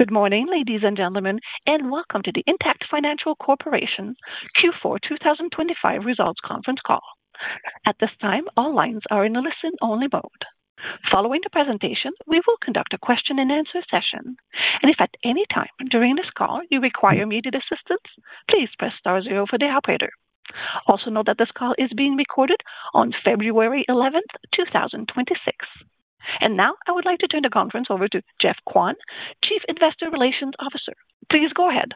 Good morning, ladies and gentlemen, and welcome to the Intact Financial Corporation Q4 2025 Results Conference call. At this time, all lines are in a listen-only mode. Following the presentation, we will conduct a question-and-answer session, and if at any time during this call you require immediate assistance, please press star 0 for the operator. Also note that this call is being recorded on February 11th, 2026. Now I would like to turn the conference over to Geoffrey Kwan, Chief Investor Relations Officer. Please go ahead.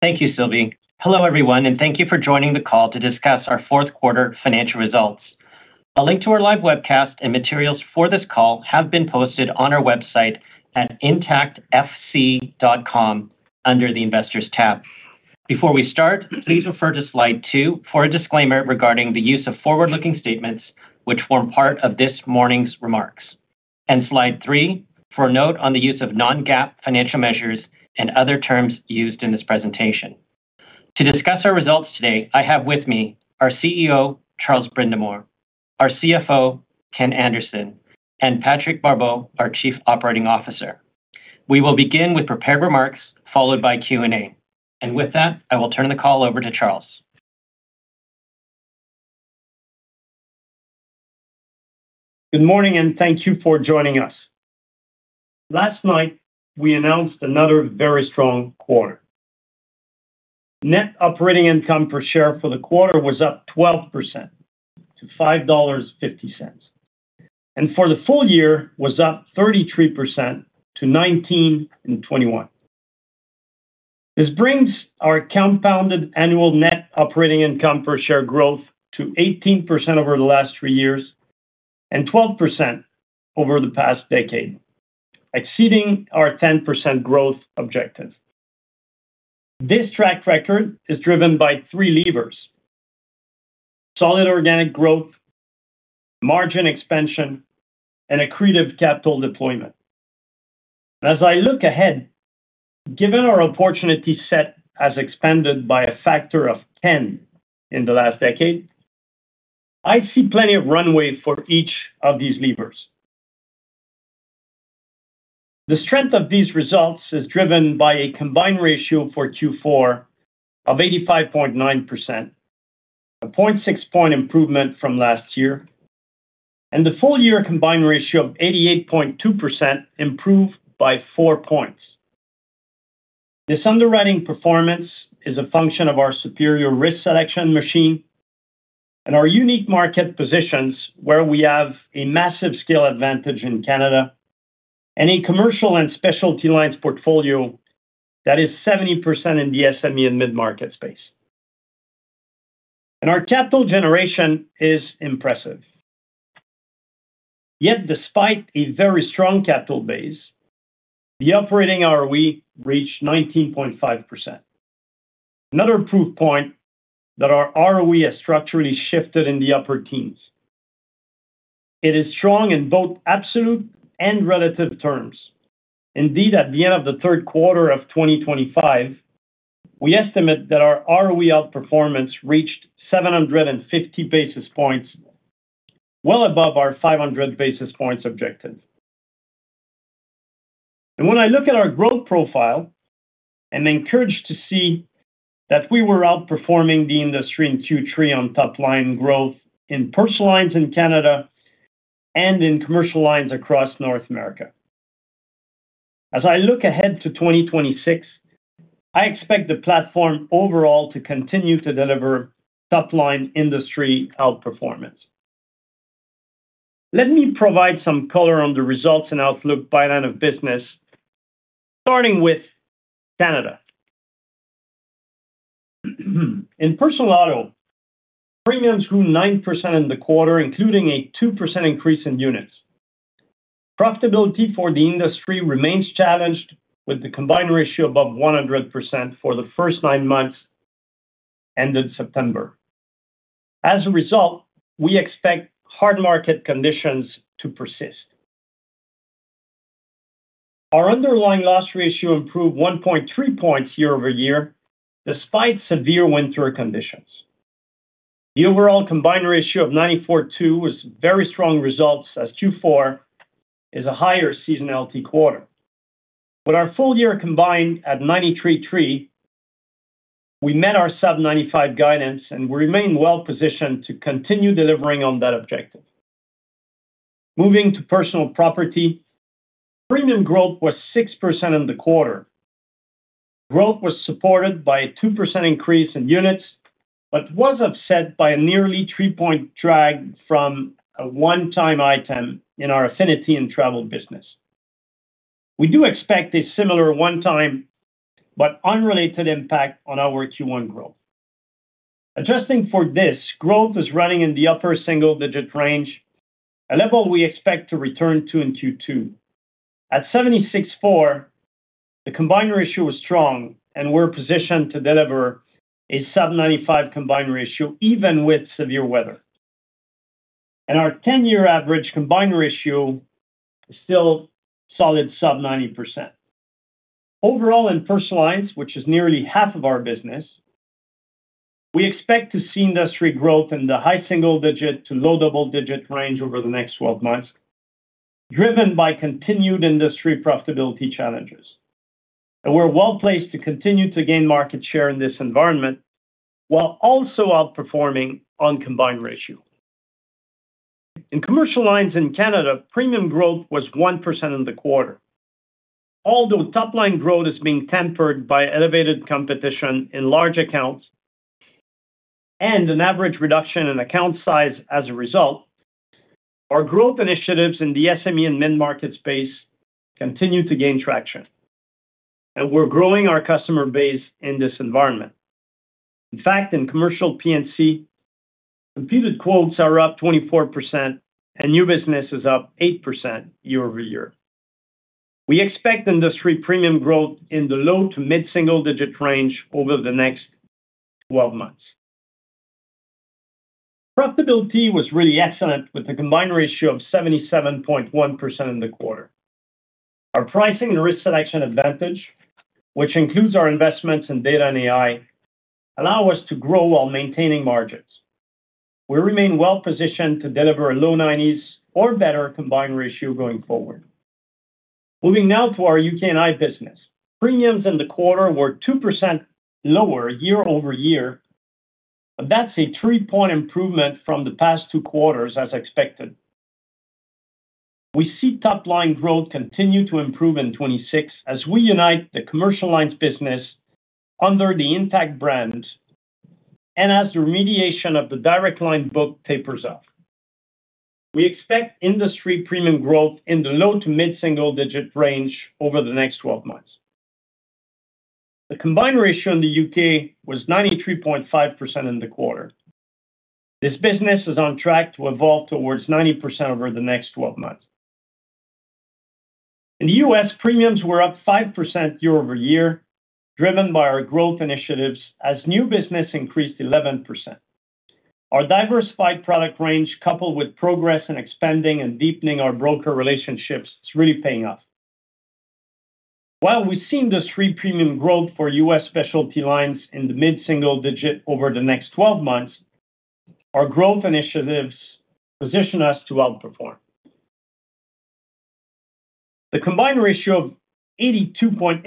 Thank you, Sylvie. Hello everyone, and thank you for joining the call to discuss our fourth quarter financial results. A link to our live webcast and materials for this call have been posted on our website at intactfc.com under the Investors tab. Before we start, please refer to slide 2 for a disclaimer regarding the use of forward-looking statements which form part of this morning's remarks, and slide 3 for a note on the use of non-GAAP financial measures and other terms used in this presentation. To discuss our results today, I have with me our CEO, Charles Brindamour, our CFO, Ken Anderson, and Patrick Barbeau, our Chief Operating Officer. We will begin with prepared remarks followed by Q&A, and with that, I will turn the call over to Charles. Good morning, and thank you for joining us. Last night we announced another very strong quarter. Net operating income per share for the quarter was up 12% to 5.50 dollars, and for the full year was up 33% to 19.21. This brings our compounded annual net operating income per share growth to 18% over the last three years and 12% over the past decade, exceeding our 10% growth objective. This track record is driven by three levers: solid organic growth, margin expansion, and accretive capital deployment. As I look ahead, given our opportunity set as expanded by a factor of 10 in the last decade, I see plenty of runway for each of these levers. The strength of these results is driven by a combined ratio for Q4 of 85.9%, a 0.6 point improvement from last year, and the full year combined ratio of 88.2% improved by 4 points. This underwriting performance is a function of our superior risk selection machine and our unique market positions where we have a massive scale advantage in Canada and a Commercial and Specialty lines portfolio that is 70% in the SME and mid-market space. Our capital generation is impressive. Yet despite a very strong capital base, the operating ROE reached 19.5%, another proof point that our ROE has structurally shifted in the upper teens. It is strong in both absolute and relative terms. Indeed, at the end of the third quarter of 2025, we estimate that our ROE outperformance reached 750 basis points, well above our 500 basis points objective. When I look at our growth profile, I'm encouraged to see that we were outperforming the industry in Q3 on top-line growth in Personal lines in Canada and in Commercial lines across North America. As I look ahead to 2026, I expect the platform overall to continue to deliver top-line industry outperformance. Let me provide some color on the results and outlook by line of business, starting with Canada. In personal auto, premiums grew 9% in the quarter, including a 2% increase in units. Profitability for the industry remains challenged with the combined ratio above 100% for the first nine months ended September. As a result, we expect hard market conditions to persist. Our underlying loss ratio improved 1.3 points year-over-year despite severe winter conditions. The overall combined ratio of 94.2% was very strong results as Q4 is a higher seasonality quarter. With our full year combined at 93.3%, we met our sub-95% guidance and we remain well positioned to continue delivering on that objective. Moving to personal property, premium growth was 6% in the quarter. Growth was supported by a 2% increase in units but was upset by a nearly 3-point drag from a one-time item in our affinity and travel business. We do expect a similar one-time but unrelated impact on our Q1 growth. Adjusting for this, growth is running in the upper single-digit range, a level we expect to return to in Q2. At 76.4%, the combined ratio was strong and we're positioned to deliver a sub-95% combined ratio even with severe weather. And our 10-year average combined ratio is still solid sub-90%. Overall, in Personal lines, which is nearly half of our business, we expect to see industry growth in the high single-digit to low double-digit range over the next 12 months, driven by continued industry profitability challenges. And we're well placed to continue to gain market share in this environment while also outperforming on combined ratio. In Commercial lines in Canada, premium growth was 1% in the quarter. Although top-line growth is being tempered by elevated competition in large accounts and an average reduction in account size as a result, our growth initiatives in the SME and mid-market space continue to gain traction, and we're growing our customer base in this environment. In fact, in commercial P&C, completed quotes are up 24% and new business is up 8% year-over-year. We expect industry premium growth in the low to mid-single-digit range over the next 12 months. Profitability was really excellent with a combined ratio of 77.1% in the quarter. Our pricing and risk selection advantage, which includes our investments in data and AI, allow us to grow while maintaining margins. We remain well positioned to deliver a low-90s or better combined ratio going forward. Moving now to our U.K. and Ireland business, premiums in the quarter were 2% lower year-over-year, but that's a 3-point improvement from the past two quarters as expected. We see top-line growth continue to improve in 2026 as we unite the Commercial lines business under the Intact brand and as the remediation of the Direct Line book tapers off. We expect industry premium growth in the low to mid-single-digit range over the next 12 months. The combined ratio in the U.K. was 93.5% in the quarter. This business is on track to evolve towards 90% over the next 12 months. In the U.S., premiums were up 5% year-over-year, driven by our growth initiatives as new business increased 11%. Our diversified product range, coupled with progress in expanding and deepening our broker relationships, is really paying off. While we see industry premium growth for U.S. Specialty lines in the mid-single-digit over the next 12 months, our growth initiatives position us to outperform. The combined ratio of 82.8%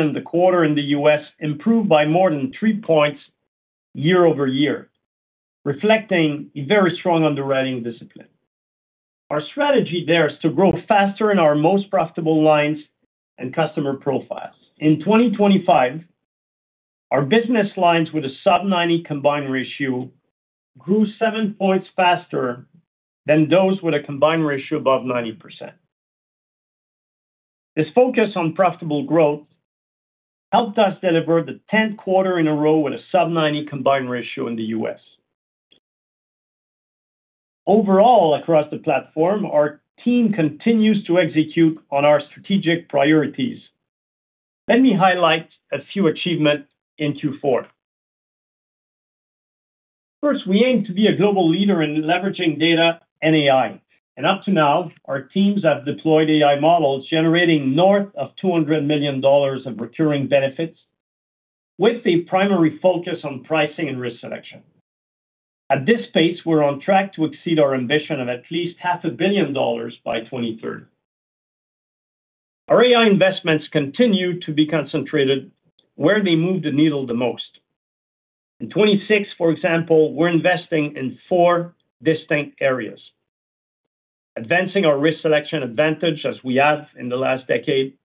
in the quarter in the U.S. improved by more than 3 points year-over-year, reflecting a very strong underwriting discipline. Our strategy there is to grow faster in our most profitable lines and customer profiles. In 2025, our business lines with a sub-90% combined ratio grew 7 points faster than those with a combined ratio above 90%. This focus on profitable growth helped us deliver the 10th quarter in a row with a sub-90% combined ratio in the U.S. Overall, across the platform, our team continues to execute on our strategic priorities. Let me highlight a few achievements in Q4. First, we aim to be a global leader in leveraging data and AI. Up to now, our teams have deployed AI models generating north of 200 million dollars of recurring benefits with a primary focus on pricing and risk selection. At this pace, we're on track to exceed our ambition of at least 500 million dollars by 2030. Our AI investments continue to be concentrated where they move the needle the most. In 2026, for example, we're investing in four distinct areas: advancing our risk selection advantage as we have in the last decade,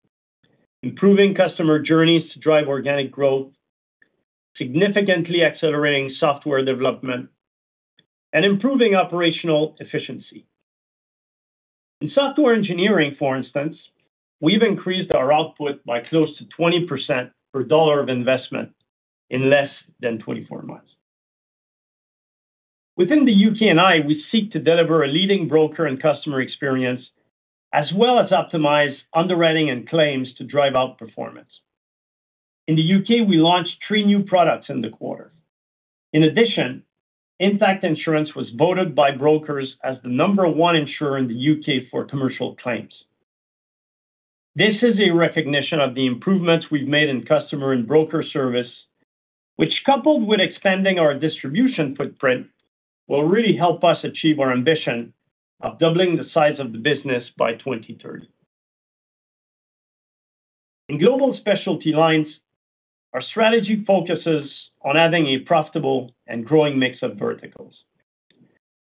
improving customer journeys to drive organic growth, significantly accelerating software development, and improving operational efficiency. In software engineering, for instance, we've increased our output by close to 20% per dollar of investment in less than 24 months. Within the U.K. and Ireland, we seek to deliver a leading broker and customer experience as well as optimize underwriting and claims to drive outperformance. In the U.K., we launched three new products in the quarter. In addition, Intact Insurance was voted by brokers as the number one insurer in the U.K. for commercial claims. This is a recognition of the improvements we've made in customer and broker service, which, coupled with expanding our distribution footprint, will really help us achieve our ambition of doubling the size of the business by 2030. In Global Specialty Lines, our strategy focuses on adding a profitable and growing mix of verticals.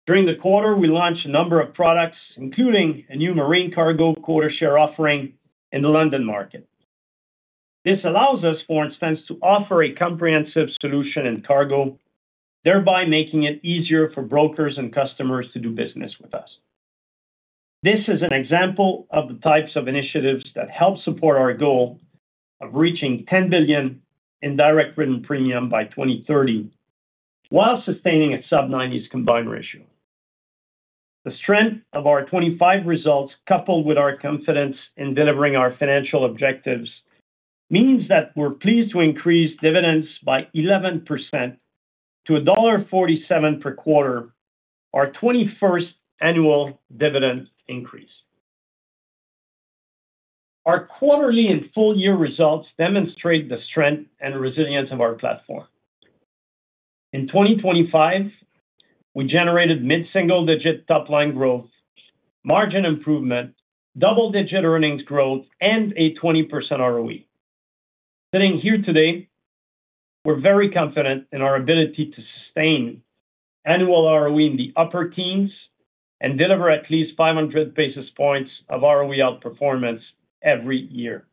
During the quarter, we launched a number of products, including a new marine cargo quota share offering in the London market. This allows us, for instance, to offer a comprehensive solution in cargo, thereby making it easier for brokers and customers to do business with us. This is an example of the types of initiatives that help support our goal of reaching 10 billion in direct written premium by 2030 while sustaining a sub-90s combined ratio. The strength of our 2025 results, coupled with our confidence in delivering our financial objectives, means that we're pleased to increase dividends by 11% to dollar 1.47 per quarter, our 21st annual dividend increase. Our quarterly and full-year results demonstrate the strength and resilience of our platform. In 2025, we generated mid-single-digit top-line growth, margin improvement, double-digit earnings growth, and a 20% ROE. Sitting here today, we're very confident in our ability to sustain annual ROE in the upper teens and deliver at least 500 basis points of ROE outperformance every year.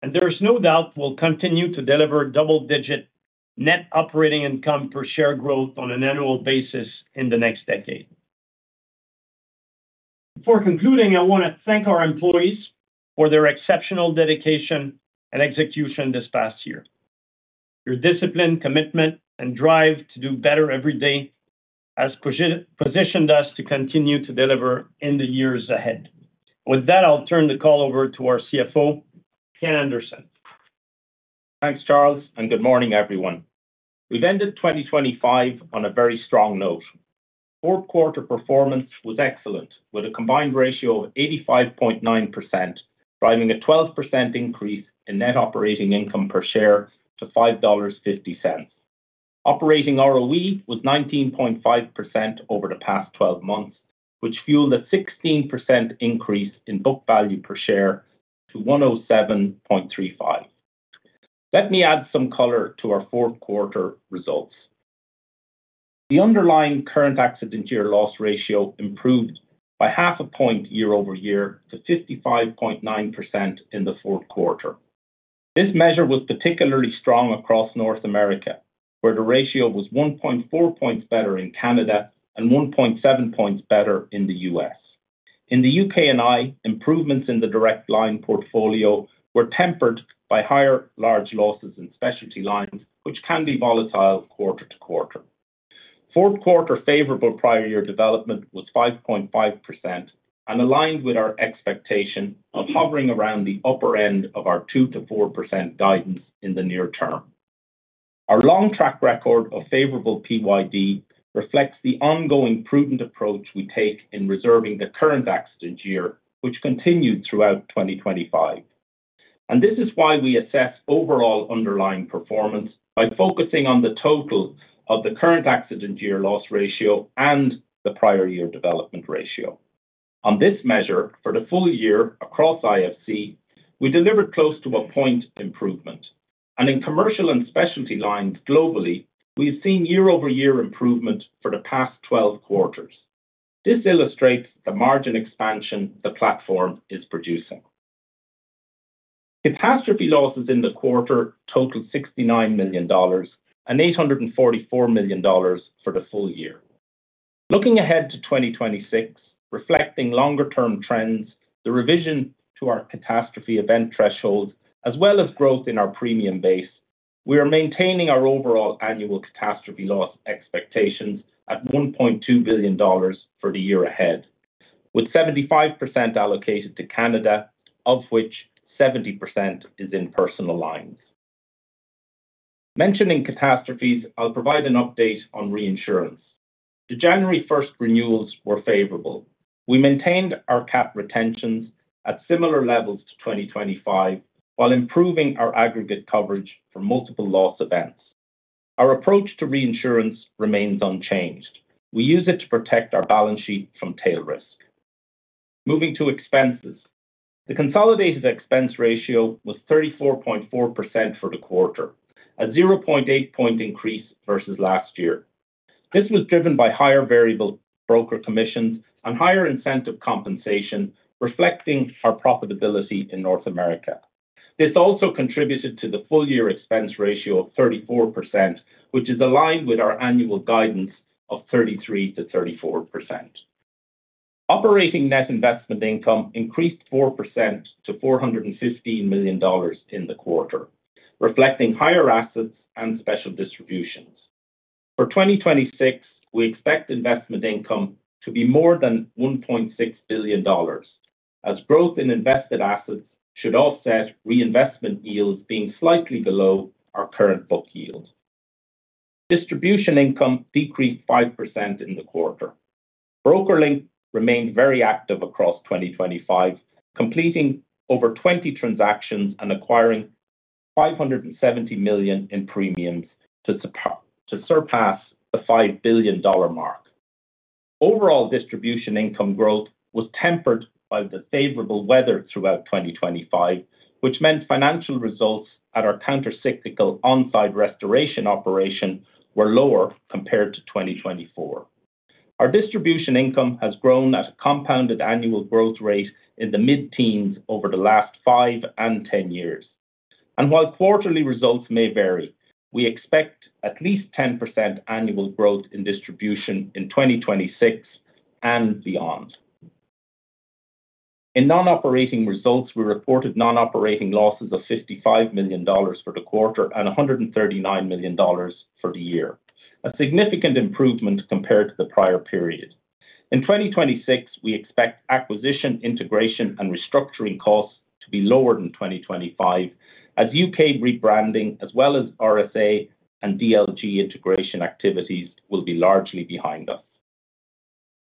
There is no doubt we'll continue to deliver double-digit net operating income per share growth on an annual basis in the next decade. Before concluding, I want to thank our employees for their exceptional dedication and execution this past year. Your discipline, commitment, and drive to do better every day has positioned us to continue to deliver in the years ahead. With that, I'll turn the call over to our CFO, Ken Anderson. Thanks, Charles, and good morning, everyone. We've ended 2025 on a very strong note. Fourth quarter performance was excellent, with a combined ratio of 85.9%, driving a 12% increase in net operating income per share to 5.50 dollars. Operating ROE was 19.5% over the past 12 months, which fueled a 16% increase in book value per share to 107.35. Let me add some color to our fourth quarter results. The underlying current accident year loss ratio improved by 0.5 points year-over-year to 55.9% in the fourth quarter. This measure was particularly strong across North America, where the ratio was 1.4 points better in Canada and 1.7 points better in the U.S. In the U.K. and Ireland, improvements in the Direct Line portfolio were tempered by higher large losses in Specialty lines, which can be volatile quarter-to-quarter. Fourth quarter favorable prior year development was 5.5% and aligned with our expectation of hovering around the upper end of our 2%-4% guidance in the near term. Our long track record of favorable PYD reflects the ongoing prudent approach we take in reserving the current accident year, which continued throughout 2025. This is why we assess overall underlying performance by focusing on the total of the current accident year loss ratio and the prior year development ratio. On this measure, for the full year across IFC, we delivered close to a point improvement. In Commercial and Specialty lines globally, we've seen year-over-year improvement for the past 12 quarters. This illustrates the margin expansion the platform is producing. Catastrophe losses in the quarter totaled 69 million dollars and 844 million dollars for the full year. Looking ahead to 2026, reflecting longer-term trends, the revision to our catastrophe event thresholds, as well as growth in our premium base, we are maintaining our overall annual catastrophe loss expectations at 1.2 billion dollars for the year ahead, with 75% allocated to Canada, of which 70% is in Personal lines. Mentioning catastrophes, I'll provide an update on reinsurance. The January 1st renewals were favorable. We maintained our cat retentions at similar levels to 2025 while improving our aggregate coverage for multiple loss events. Our approach to reinsurance remains unchanged. We use it to protect our balance sheet from tail risk. Moving to expenses, the consolidated expense ratio was 34.4% for the quarter, a 0.8-point increase versus last year. This was driven by higher variable broker commissions and higher incentive compensation, reflecting our profitability in North America. This also contributed to the full-year expense ratio of 34%, which is aligned with our annual guidance of 33%-34%. Operating net investment income increased 4% to 415 million dollars in the quarter, reflecting higher assets and special distributions. For 2026, we expect investment income to be more than 1.6 billion dollars, as growth in invested assets should offset reinvestment yields being slightly below our current book yield. Distribution income decreased 5% in the quarter. BrokerLink remained very active across 2025, completing over 20 transactions and acquiring 570 million in premiums to surpass the 5 billion dollar mark. Overall distribution income growth was tempered by the favorable weather throughout 2025, which meant financial results at our countercyclical On Side Restoration operation were lower compared to 2024. Our distribution income has grown at a compounded annual growth rate in the mid-teens over the last 5 and 10 years. While quarterly results may vary, we expect at least 10% annual growth in distribution in 2026 and beyond. In non-operating results, we reported non-operating losses of 55 million dollars for the quarter and 139 million dollars for the year, a significant improvement compared to the prior period. In 2026, we expect acquisition, integration, and restructuring costs to be lower than 2025, as UK rebranding as well as RSA and DLG integration activities will be largely behind us.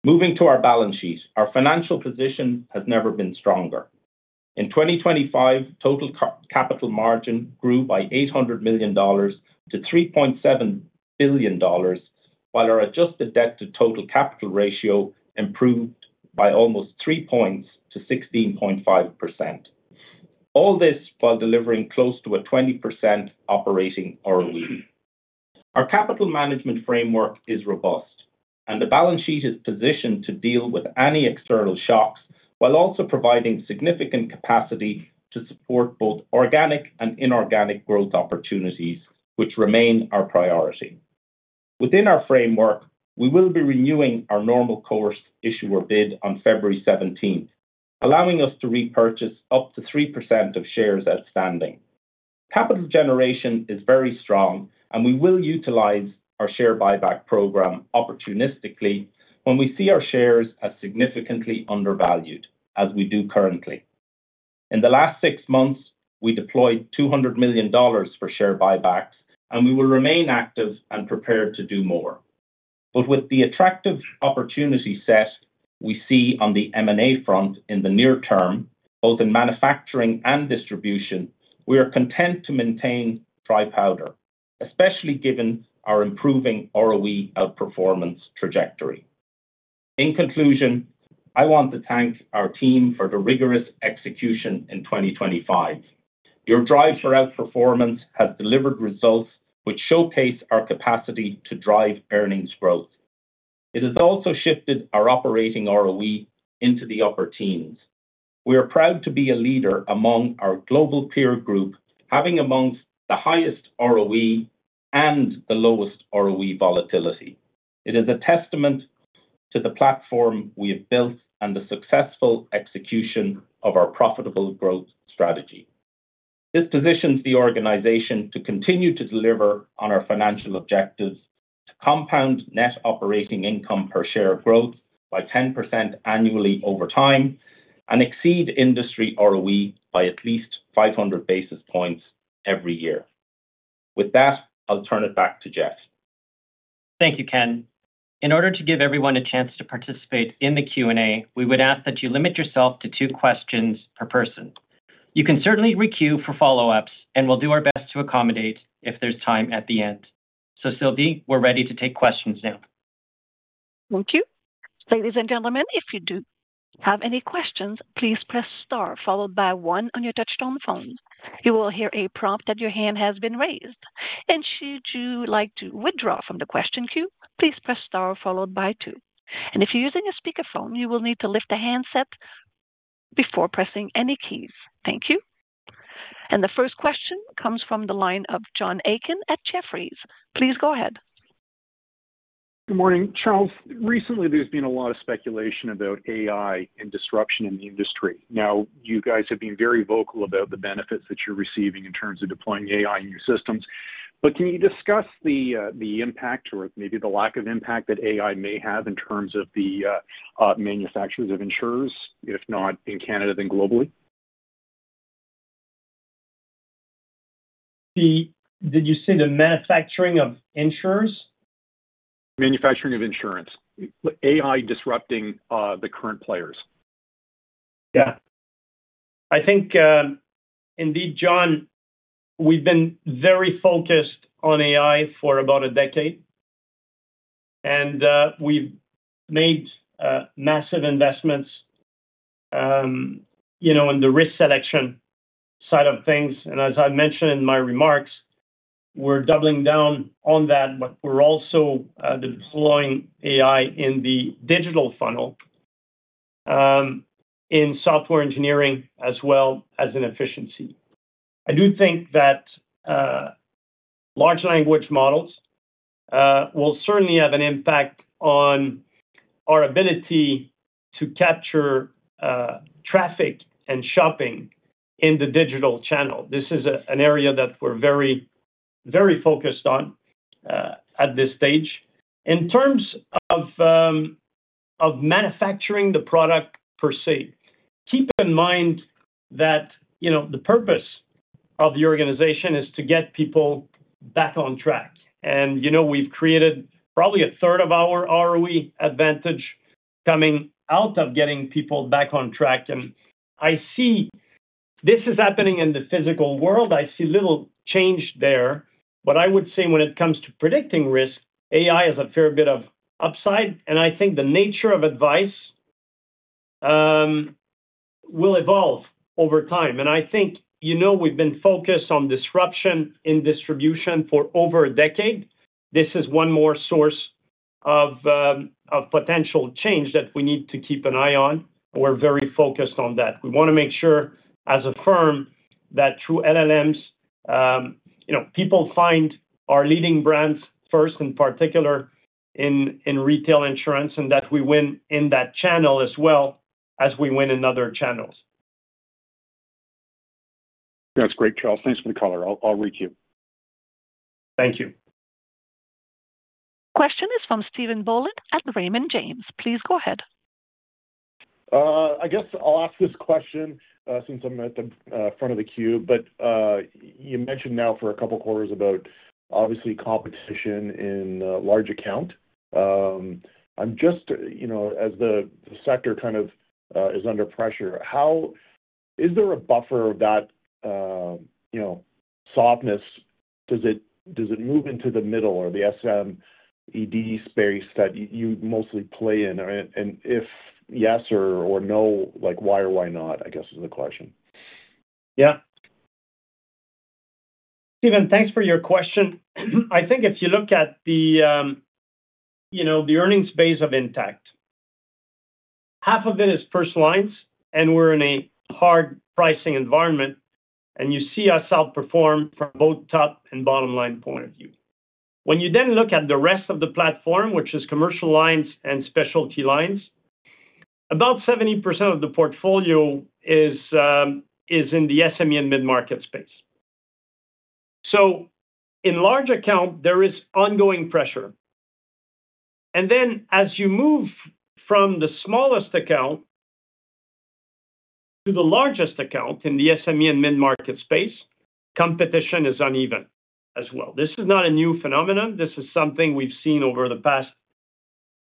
Moving to our balance sheet, our financial position has never been stronger. In 2025, total capital margin grew by 800 million dollars to 3.7 billion dollars, while our adjusted debt-to-total capital ratio improved by almost three points to 16.5%. All this while delivering close to a 20% Operating ROE. Our capital management framework is robust, and the balance sheet is positioned to deal with any external shocks while also providing significant capacity to support both organic and inorganic growth opportunities, which remain our priority. Within our framework, we will be renewing our normal course issuer bid on February 17th, allowing us to repurchase up to 3% of shares outstanding. Capital generation is very strong, and we will utilize our share buyback program opportunistically when we see our shares as significantly undervalued, as we do currently. In the last six months, we deployed 200 million dollars for share buybacks, and we will remain active and prepared to do more. But with the attractive opportunity set we see on the M&A front in the near term, both in manufacturing and distribution, we are content to maintain dry powder, especially given our improving ROE outperformance trajectory. In conclusion, I want to thank our team for the rigorous execution in 2025. Your drive for outperformance has delivered results which showcase our capacity to drive earnings growth. It has also shifted our operating ROE into the upper teens. We are proud to be a leader among our global peer group, having among the highest ROE and the lowest ROE volatility. It is a testament to the platform we have built and the successful execution of our profitable growth strategy. This positions the organization to continue to deliver on our financial objectives, to compound net operating income per share growth by 10% annually over time, and exceed industry ROE by at least 500 basis points every year. With that, I'll turn it back to Geoff. Thank you, Ken. In order to give everyone a chance to participate in the Q&A, we would ask that you limit yourself to two questions per person. You can certainly requeue for follow-ups, and we'll do our best to accommodate if there's time at the end. So, Sylvie, we're ready to take questions now. Thank you. Ladies and gentlemen, if you do have any questions, please press star followed by one on your touchscreen phone. You will hear a prompt that your hand has been raised. Should you like to withdraw from the question queue, please press star followed by two. If you're using a speakerphone, you will need to lift the handset before pressing any keys. Thank you. The first question comes from the line of John Aiken at Jefferies. Please go ahead. Good morning, Charles. Recently, there's been a lot of speculation about AI and disruption in the industry. Now, you guys have been very vocal about the benefits that you're receiving in terms of deploying AI in your systems. But can you discuss the impact or maybe the lack of impact that AI may have in terms of the manufacturers of insurers, if not in Canada, then globally? Did you say the manufacturing of insurers? Manufacturing of insurance. AI disrupting the current players. Yeah. I think, indeed, John, we've been very focused on AI for about a decade. And we've made massive investments in the risk selection side of things. And as I mentioned in my remarks, we're doubling down on that, but we're also deploying AI in the digital funnel, in software engineering, as well as in efficiency. I do think that large language models will certainly have an impact on our ability to capture traffic and shopping in the digital channel. This is an area that we're very, very focused on at this stage. In terms of manufacturing the product per se, keep in mind that the purpose of the organization is to get people back on track. And we've created probably a third of our ROE advantage coming out of getting people back on track. And I see this is happening in the physical world. I see little change there. I would say when it comes to predicting risk, AI has a fair bit of upside. I think the nature of advice will evolve over time. I think we've been focused on disruption in distribution for over a decade. This is one more source of potential change that we need to keep an eye on. We're very focused on that. We want to make sure, as a firm, that through LLMs, people find our leading brands first, in particular in retail insurance, and that we win in that channel as well as we win in other channels. That's great, Charles. Thanks for the color. I'll requeue. Thank you. Question is from Stephen Boland at Raymond James. Please go ahead. I guess I'll ask this question since I'm at the front of the queue. But you mentioned now for a couple of quarters about, obviously, competition in large account. As the sector kind of is under pressure, is there a buffer of that softness? Does it move into the middle or the SME space that you mostly play in? And if yes or no, why or why not, I guess, is the question. Yeah. Stephen, thanks for your question. I think if you look at the earnings base of Intact, half of it is first lines, and we're in a hard pricing environment. And you see us outperform from both top and bottom line point of view. When you then look at the rest of the platform, which is Commercial lines and Specialty lines, about 70% of the portfolio is in the SME and mid-market space. So in large account, there is ongoing pressure. And then as you move from the smallest account to the largest account in the SME and mid-market space, competition is uneven as well. This is not a new phenomenon. This is something we've seen over the past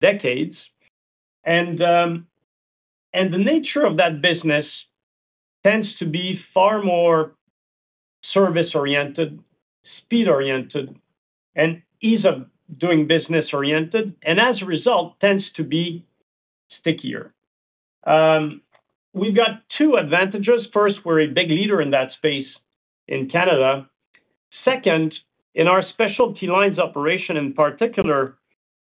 decades. And the nature of that business tends to be far more service-oriented, speed-oriented, and ease of doing business-oriented, and as a result, tends to be stickier. We've got two advantages. First, we're a big leader in that space in Canada. Second, in our Specialty lines operation, in particular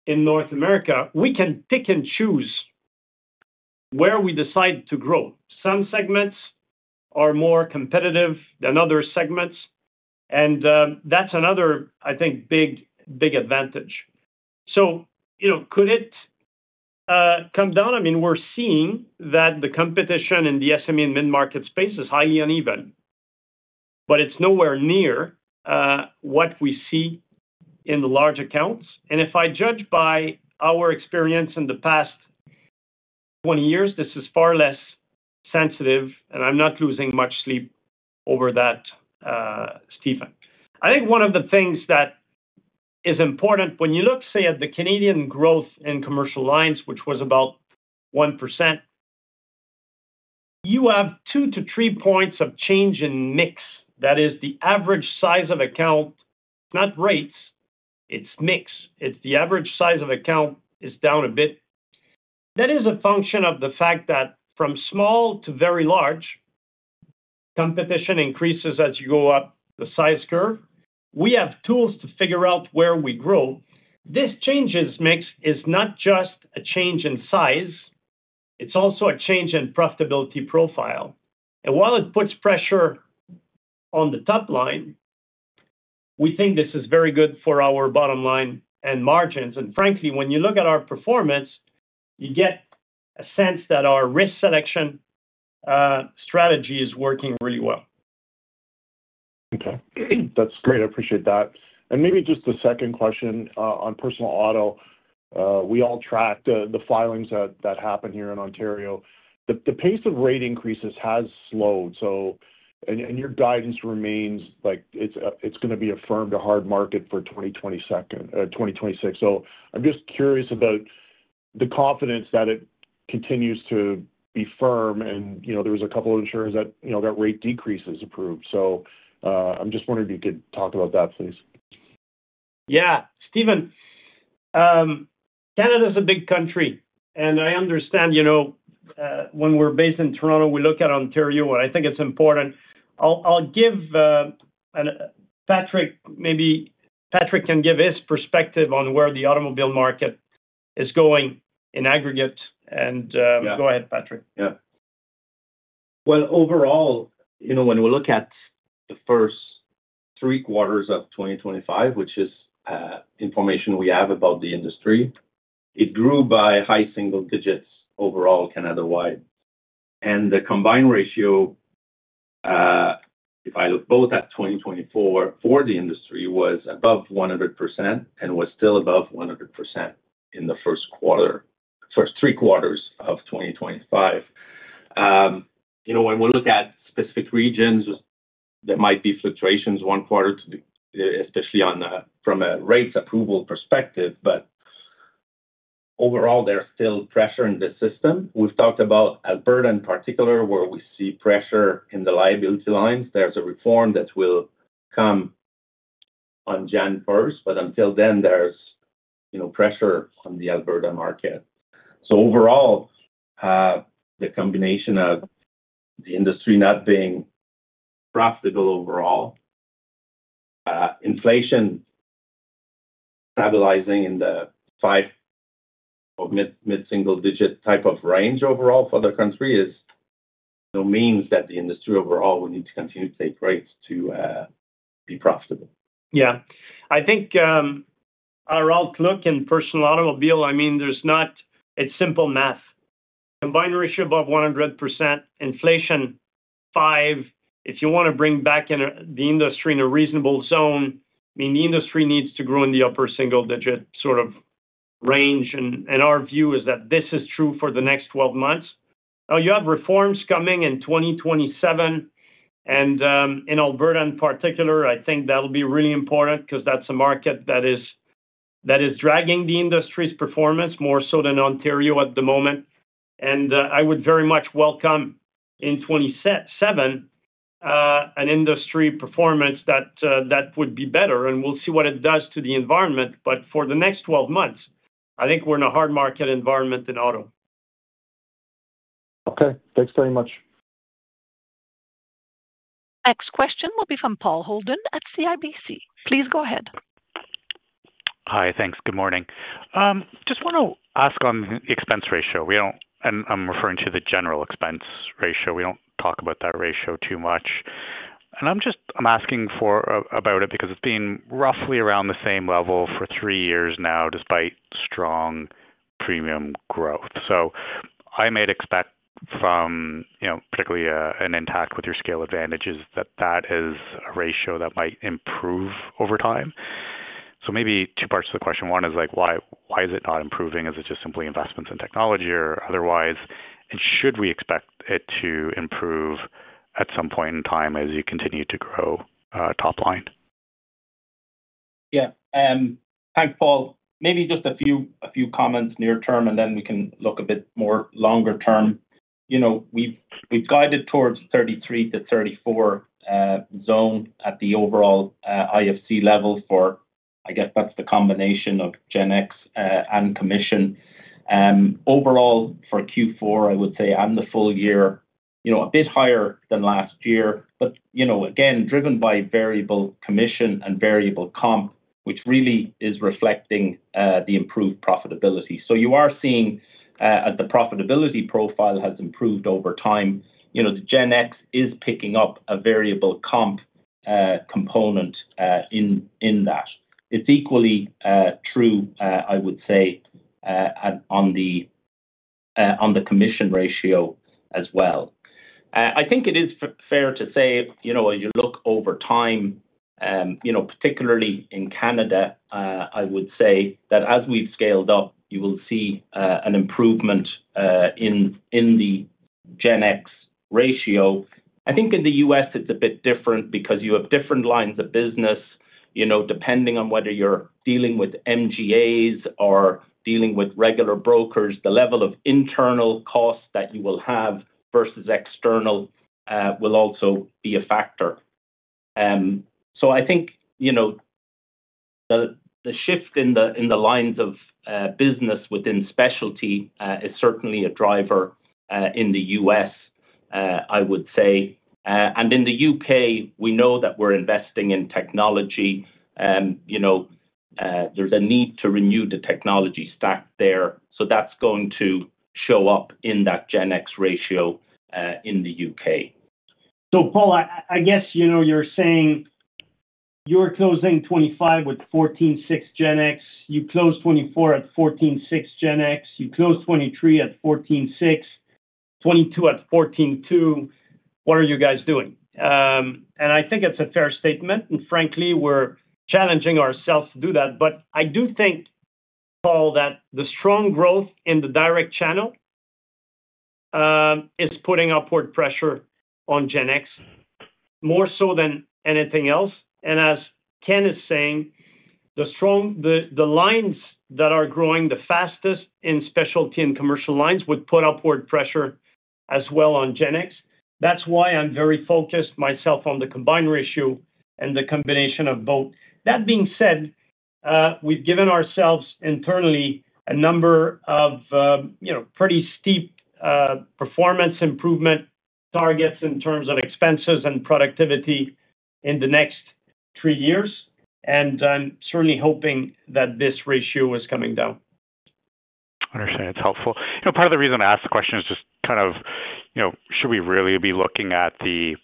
in North America, we can pick and choose where we decide to grow. Some segments are more competitive than other segments. And that's another, I think, big advantage. So could it come down? I mean, we're seeing that the competition in the SME and mid-market space is highly uneven. But it's nowhere near what we see in the large accounts. And if I judge by our experience in the past 20 years, this is far less sensitive. And I'm not losing much sleep over that, Stephen. I think one of the things that is important, when you look, say, at the Canadian growth in Commercial lines, which was about 1%, you have 2-3 points of change in mix. That is, the average size of account, not rates, it's mix. It's the average size of account is down a bit. That is a function of the fact that from small to very large, competition increases as you go up the size curve. We have tools to figure out where we grow. This change in mix is not just a change in size. It's also a change in profitability profile. And while it puts pressure on the top line, we think this is very good for our bottom line and margins. And frankly, when you look at our performance, you get a sense that our risk selection strategy is working really well. Okay. That's great. I appreciate that. And maybe just a second question on personal auto. We all track the filings that happen here in Ontario. The pace of rate increases has slowed. And your guidance remains it's going to be a firm to hard market for 2026. So I'm just curious about the confidence that it continues to be firm. And there was a couple of insurers that got rate decreases approved. So I'm just wondering if you could talk about that, please. Yeah. Stephen, Canada is a big country. And I understand when we're based in Toronto, we look at Ontario, and I think it's important. I'll give Patrick, maybe Patrick can give his perspective on where the automobile market is going in aggregate. And go ahead, Patrick. Yeah. Well, overall, when we look at the first three quarters of 2025, which is information we have about the industry, it grew by high single digits overall Canada-wide. And the combined ratio, if I look both at 2024 for the industry, was above 100% and was still above 100% in the first quarter, the first three quarters of 2025. When we look at specific regions, there might be fluctuations one quarter, especially from a rates approval perspective. But overall, there's still pressure in the system. We've talked about Alberta in particular, where we see pressure in the liability lines. There's a reform that will come on January 1st. But until then, there's pressure on the Alberta market. Overall, the combination of the industry not being profitable overall, inflation stabilizing in the 5% or mid-single-digit type of range overall for the country means that the industry overall, we need to continue to take rates to be profitable. Yeah. I think our outlook in personal automobile, I mean, it's simple math. Combined ratio above 100%, inflation 5%. If you want to bring back the industry in a reasonable zone, I mean, the industry needs to grow in the upper single digit sort of range. And our view is that this is true for the next 12 months. Now, you have reforms coming in 2027. And in Alberta in particular, I think that'll be really important because that's a market that is dragging the industry's performance more so than Ontario at the moment. And I would very much welcome in 2027 an industry performance that would be better. And we'll see what it does to the environment. But for the next 12 months, I think we're in a hard market environment in auto. Okay. Thanks very much. Next question will be from Paul Holden at CIBC. Please go ahead. Hi. Thanks. Good morning. Just want to ask on the expense ratio. I'm referring to the general expense ratio. We don't talk about that ratio too much. I'm asking about it because it's been roughly around the same level for three years now despite strong premium growth. I might expect from particularly in Intact with your scale advantages that that is a ratio that might improve over time. Maybe two parts to the question. One is, why is it not improving? Is it just simply investments in technology or otherwise? Should we expect it to improve at some point in time as you continue to grow top line? Yeah. Thanks, Paul. Maybe just a few comments near term, and then we can look a bit more longer term. We've guided towards 33-34 zone at the overall IFC level for I guess that's the combination of Gen X and commission. Overall, for Q4, I would say, and the full year, a bit higher than last year. But again, driven by variable commission and variable comp, which really is reflecting the improved profitability. So you are seeing as the profitability profile has improved over time, the Gen X is picking up a variable comp component in that. It's equally true, I would say, on the commission ratio as well. I think it is fair to say, when you look over time, particularly in Canada, I would say that as we've scaled up, you will see an improvement in the Gen X ratio. I think in the U.S., it's a bit different because you have different lines of business. Depending on whether you're dealing with MGAs or dealing with regular brokers, the level of internal costs that you will have versus external will also be a factor. So I think the shift in the lines of business within Specialty is certainly a driver in the U.S., I would say. And in the U.K., we know that we're investing in technology. There's a need to renew the technology stack there. So that's going to show up in that Gen X ratio in the U.K. So, Paul, I guess you're saying you're closing 2025 with 14.6 Gen X. You closed 2024 at 14.6 Gen X. You closed 2023 at 14.6, 2022 at 14.2. What are you guys doing? And I think it's a fair statement. And frankly, we're challenging ourselves to do that. But I do think, Paul, that the strong growth in the direct channel is putting upward pressure on Gen X more so than anything else. And as Ken is saying, the lines that are growing the fastest in Specialty and Commercial lines would put upward pressure as well on Gen X. That's why I'm very focused myself on the combined ratio and the combination of both. That being said, we've given ourselves internally a number of pretty steep performance improvement targets in terms of expenses and productivity in the next three years. And I'm certainly hoping that this ratio is coming down. Understood. It's helpful. Part of the reason I asked the question is just kind of, should we really be looking at the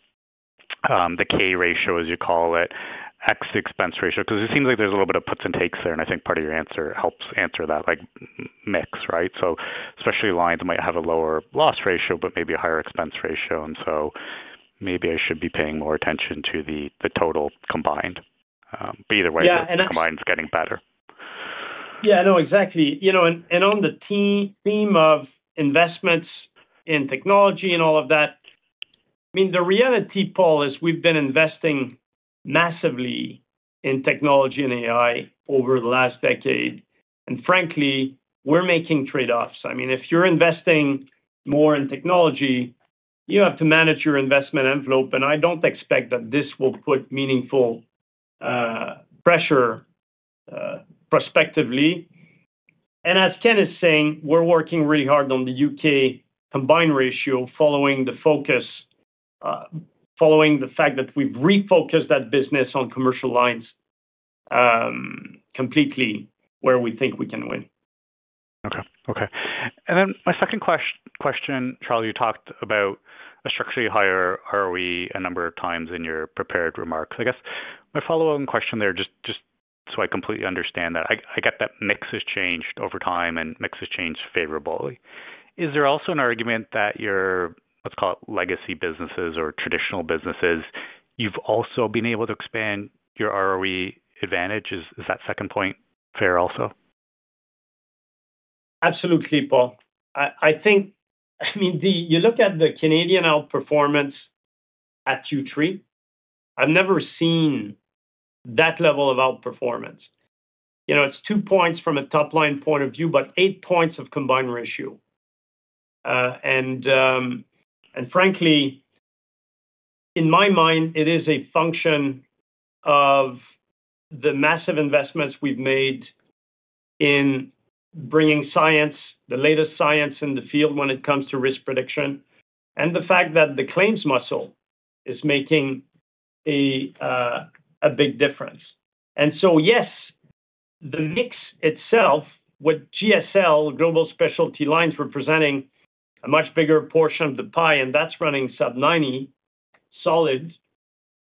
CAY ratio, as you call it, x expense ratio? Because it seems like there's a little bit of puts and takes there. And I think part of your answer helps answer that mix, right? So Specialty lines might have a lower loss ratio, but maybe a higher expense ratio. And so maybe I should be paying more attention to the total combined. But either way, the combined is getting better. Yeah. No, exactly. And on the theme of investments in technology and all of that, I mean, the reality, Paul, is we've been investing massively in technology and AI over the last decade. And frankly, we're making trade-offs. I mean, if you're investing more in technology, you have to manage your investment envelope. And I don't expect that this will put meaningful pressure prospectively. And as Ken is saying, we're working really hard on the U.K. combined ratio following the focus, following the fact that we've refocused that business on Commercial lines completely where we think we can win. Okay. Okay. And then my second question, Charles, you talked about a structurally higher ROE a number of times in your prepared remarks. I guess my follow-on question there, just so I completely understand that, I get that mix has changed over time and mix has changed favorably. Is there also an argument that your, let's call it, legacy businesses or traditional businesses, you've also been able to expand your ROE advantage? Is that second point fair also? Absolutely, Paul. I mean, you look at the Canadian outperformance at Q3. I've never seen that level of outperformance. It's two points from a top line point of view, but eight points of combined ratio. And frankly, in my mind, it is a function of the massive investments we've made in bringing science, the latest science in the field when it comes to risk prediction, and the fact that the claims muscle is making a big difference. And so yes, the mix itself, what GSL, Global Specialty Lines, were presenting, a much bigger portion of the pie, and that's running sub-90%, solid,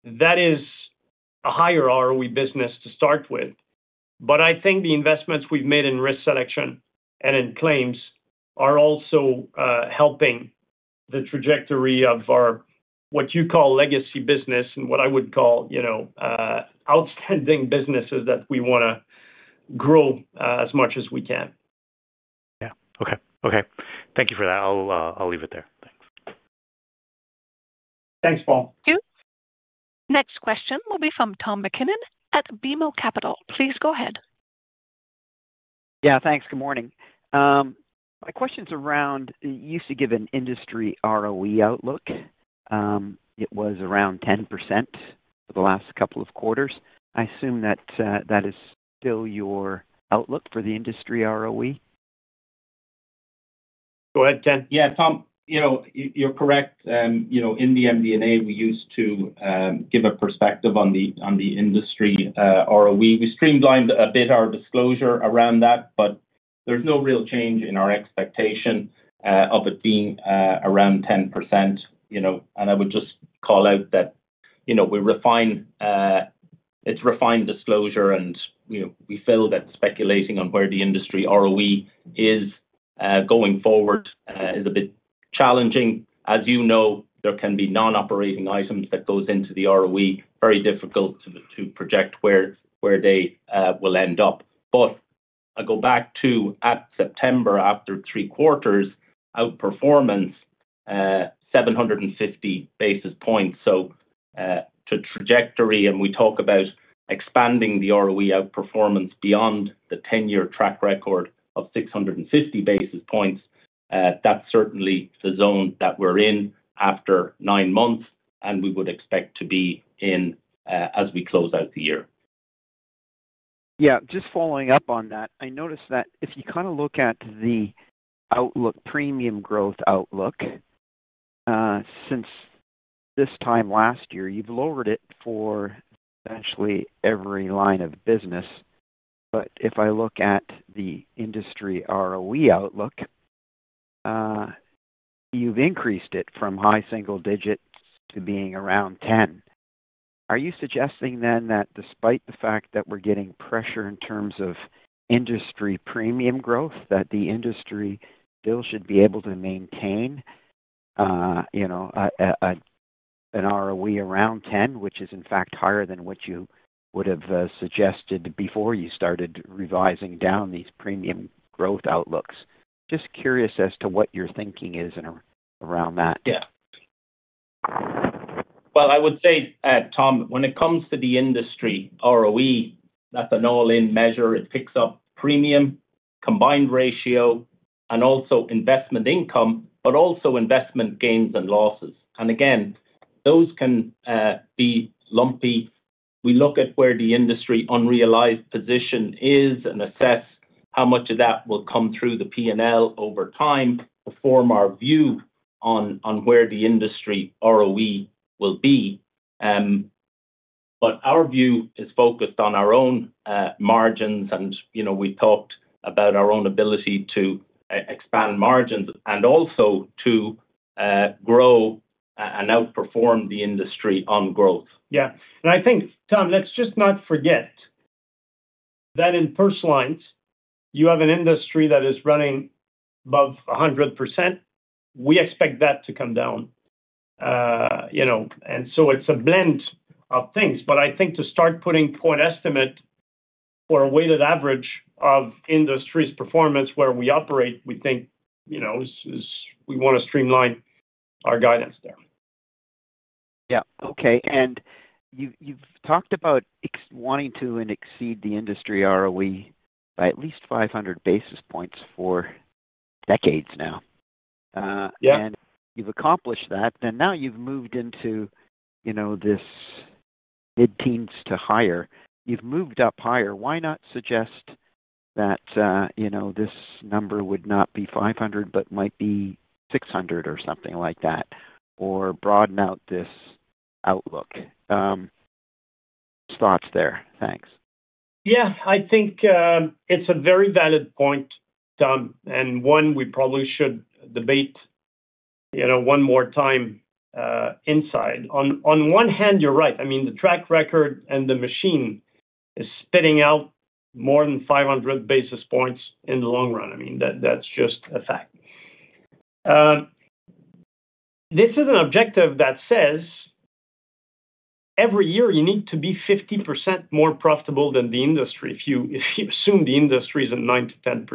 that is a higher ROE business to start with. But I think the investments we've made in risk selection and in claims are also helping the trajectory of what you call legacy business and what I would call outstanding businesses that we want to grow as much as we can. Yeah. Okay. Okay. Thank you for that. I'll leave it there. Thanks. Thanks, Paul. Next question will be from Tom MacKinnon at BMO Capital. Please go ahead. Yeah. Thanks. Good morning. My question's around the usual given industry ROE outlook. It was around 10% for the last couple of quarters. I assume that that is still your outlook for the industry ROE? Go ahead, Ken. Yeah, Tom, you're correct. In the MD&A, we used to give a perspective on the industry ROE. We streamlined a bit our disclosure around that, but there's no real change in our expectation of it being around 10%. I would just call out that it's refined disclosure, and we feel that speculating on where the industry ROE is going forward is a bit challenging. As you know, there can be non-operating items that go into the ROE. Very difficult to project where they will end up. I go back to, at September, after three quarters, outperformance 750 basis points. So to trajectory, and we talk about expanding the ROE outperformance beyond the 10-year track record of 650 basis points, that's certainly the zone that we're in after nine months, and we would expect to be in as we close out the year. Yeah. Just following up on that, I noticed that if you kind of look at the premium growth outlook, since this time last year, you've lowered it for essentially every line of business. But if I look at the industry ROE outlook, you've increased it from high single digits to being around 10. Are you suggesting then that despite the fact that we're getting pressure in terms of industry premium growth, that the industry still should be able to maintain an ROE around 10, which is, in fact, higher than what you would have suggested before you started revising down these premium growth outlooks? Just curious as to what your thinking is around that. Yeah. Well, I would say, Tom, when it comes to the industry ROE, that's an all-in measure. It picks up premium, combined ratio, and also investment income, but also investment gains and losses. And again, those can be lumpy. We look at where the industry unrealized position is and assess how much of that will come through the P&L over time to form our view on where the industry ROE will be. But our view is focused on our own margins. And we talked about our own ability to expand margins and also to grow and outperform the industry on growth. Yeah. And I think, Tom, let's just not forget that in Personal lines, you have an industry that is running above 100%. We expect that to come down. And so it's a blend of things. But I think to start putting point estimate or a weighted average of industry's performance where we operate, we think we want to streamline our guidance there. Yeah. Okay. And you've talked about wanting to exceed the industry ROE by at least 500 basis points for decades now. And you've accomplished that. Then now you've moved into this mid-teens to higher. You've moved up higher. Why not suggest that this number would not be 500 but might be 600 or something like that, or broaden out this outlook? Thoughts there. Thanks. Yeah. I think it's a very valid point, Tom. And one, we probably should debate one more time inside. On one hand, you're right. I mean, the track record and the machine is spitting out more than 500 basis points in the long run. I mean, that's just a fact. This is an objective that says every year, you need to be 50% more profitable than the industry if you assume the industry is in 9%-10%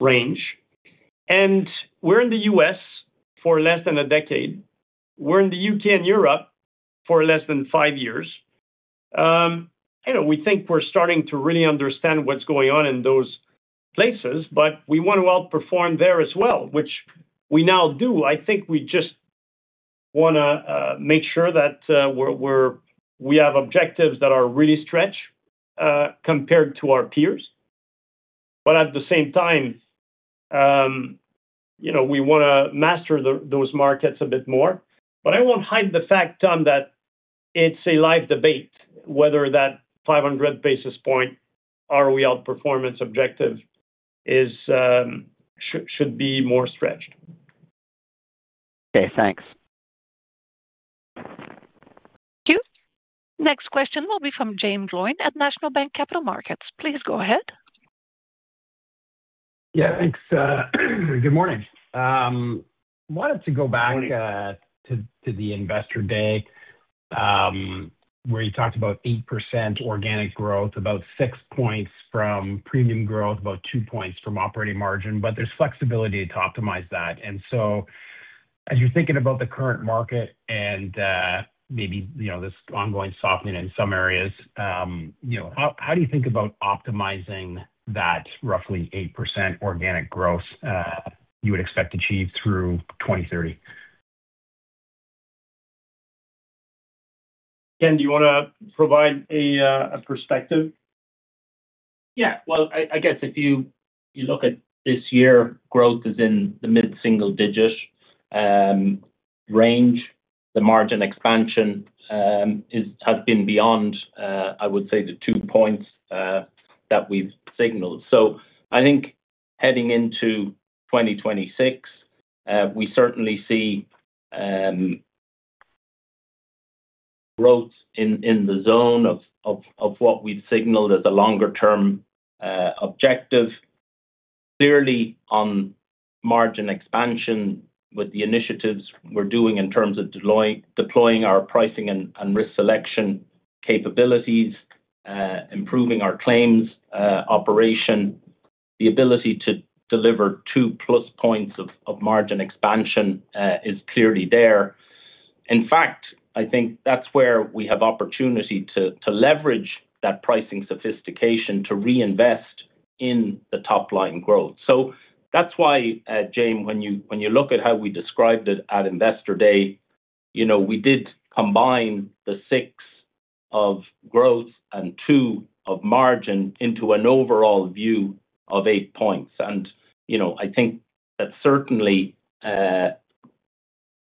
range. And we're in the U.S. for less than a decade. We're in the U.K. and Europe for less than 5 years. We think we're starting to really understand what's going on in those places, but we want to outperform there as well, which we now do. I think we just want to make sure that we have objectives that are really stretched compared to our peers. But at the same time, we want to master those markets a bit more. But I won't hide the fact, Tom, that it's a live debate whether that 500 basis point ROE outperformance objective should be more stretched. Okay. Thanks. Next question will be from Jaeme Gloyn at National Bank Capital Markets. Please go ahead. Yeah. Good morning. Wanted to go back to the Investor Day where you talked about 8% organic growth, about 6 points from premium growth, about 2 points from operating margin. But there's flexibility to optimize that. And so as you're thinking about the current market and maybe this ongoing softening in some areas, how do you think about optimizing that roughly 8% organic growth you would expect to achieve through 2030? Ken, do you want to provide a perspective? Yeah. Well, I guess if you look at this year, growth is in the mid-single-digit range. The margin expansion has been beyond, I would say, the 2 points that we've signaled. So I think heading into 2026, we certainly see growth in the zone of what we've signaled as a longer-term objective. Clearly, on margin expansion with the initiatives we're doing in terms of deploying our pricing and risk selection capabilities, improving our claims operation, the ability to deliver 2+ points of margin expansion is clearly there. In fact, I think that's where we have opportunity to leverage that pricing sophistication to reinvest in the top-line growth. So that's why, James, when you look at how we described it at Investor Day, we did combine the 6 of growth and 2 of margin into an overall view of 8 points. I think that certainly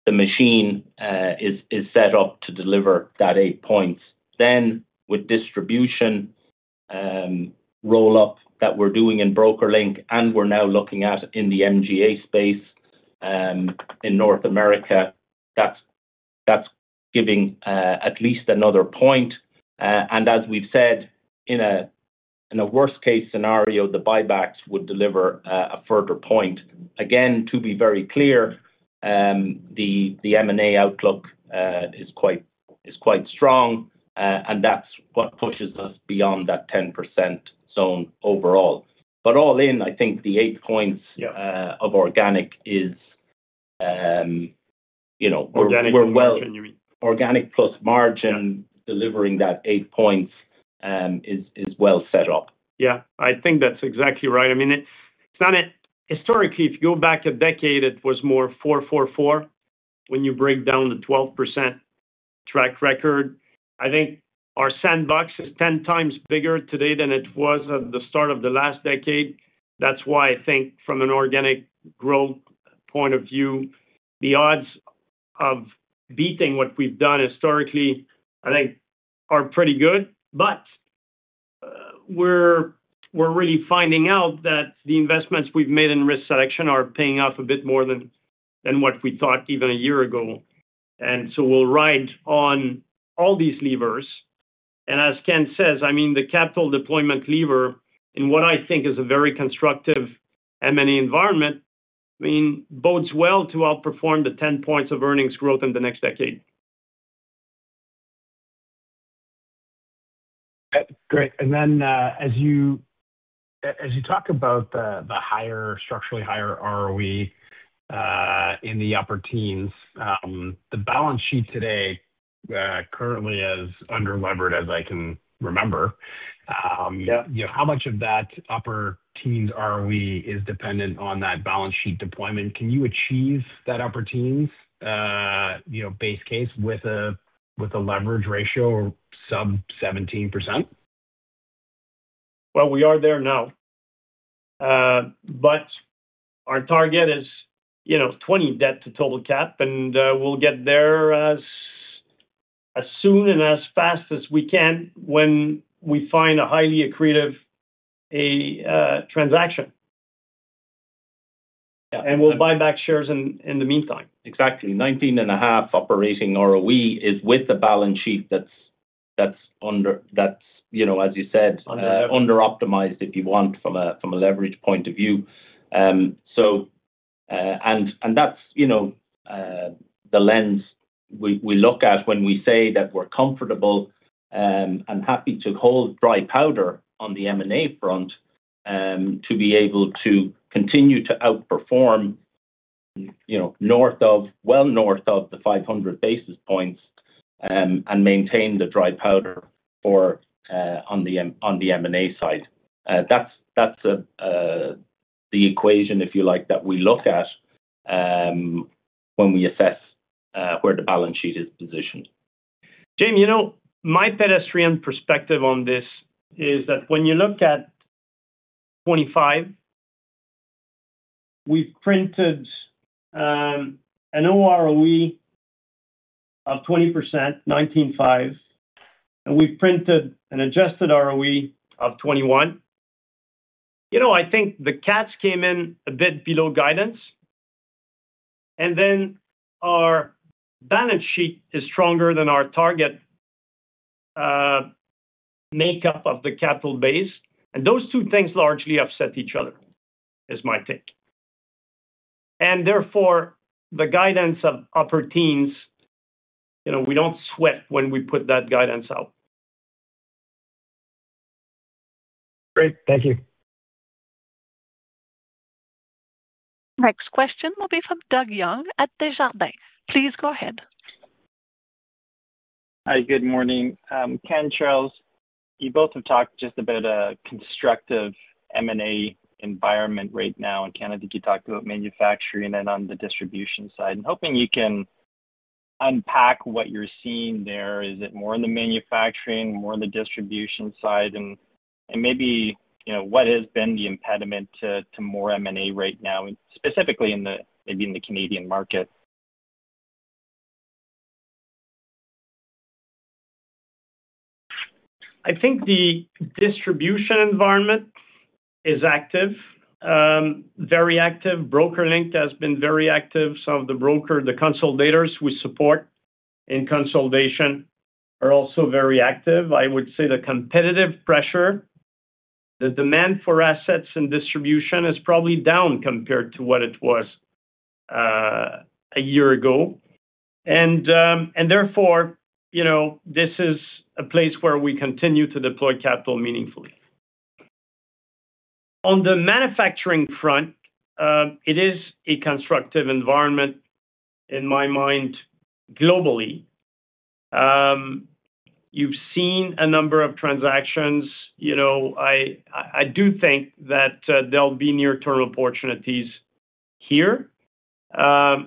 the machine is set up to deliver that 8 points. With distribution roll-up that we're doing in BrokerLink and we're now looking at in the MGA space in North America, that's giving at least another point. As we've said, in a worst-case scenario, the buybacks would deliver a further point. Again, to be very clear, the M&A outlook is quite strong, and that's what pushes us beyond that 10% zone overall. All in, I think the 8 points of organic is we're well. Organic plus margin delivering that 8 points is well set up. Yeah. I think that's exactly right. I mean, historically, if you go back a decade, it was more 4%, 4%, 4% when you break down the 12% track record. I think our sandbox is 10x bigger today than it was at the start of the last decade. That's why I think from an organic growth point of view, the odds of beating what we've done historically, I think, are pretty good. But we're really finding out that the investments we've made in risk selection are paying off a bit more than what we thought even a year ago. And so we'll ride on all these levers. And as Ken says, I mean, the capital deployment lever in what I think is a very constructive M&A environment, I mean, bodes well to outperform the 10 points of earnings growth in the next decade. Great. And then as you talk about the structurally higher ROE in the upper teens, the balance sheet today currently is underlevered as I can remember. How much of that upper teens ROE is dependent on that balance sheet deployment? Can you achieve that upper teens base case with a leverage ratio of sub-17%? Well, we are there now. But our target is 20% debt to total cap, and we'll get there as soon and as fast as we can when we find a highly accretive transaction. And we'll buy back shares in the meantime. Exactly. 19.5% operating ROE is with a balance sheet that's, as you said, underoptimized, if you want, from a leverage point of view. And that's the lens we look at when we say that we're comfortable and happy to hold dry powder on the M&A front to be able to continue to outperform well north of the 500 basis points and maintain the dry powder on the M&A side. That's the equation, if you like, that we look at when we assess where the balance sheet is positioned. James, my pedestrian perspective on this is that when you look at 2025, we've printed an OROE of 20%, 19.5%, and we've printed an adjusted ROE of 21%. I think the cats came in a bit below guidance. And then our balance sheet is stronger than our target makeup of the capital base. And those two things largely offset each other, is my take. And therefore, the guidance of upper teens, we don't sweat when we put that guidance out. Great. Thank you. Next question will be from Doug Young at Desjardins. Please go ahead. Hi. Good morning. Ken, Charles, you both have talked just about a constructive M&A environment right now in Canada. You talked about manufacturing and on the distribution side. I'm hoping you can unpack what you're seeing there. Is it more in the manufacturing, more in the distribution side? And maybe what has been the impediment to more M&A right now, specifically maybe in the Canadian market? I think the distribution environment is active, very active. BrokerLink has been very active. Some of the consolidators we support in consolidation are also very active. I would say the competitive pressure, the demand for assets in distribution is probably down compared to what it was a year ago. And therefore, this is a place where we continue to deploy capital meaningfully. On the manufacturing front, it is a constructive environment in my mind globally. You've seen a number of transactions. I do think that there'll be near-term opportunities here. True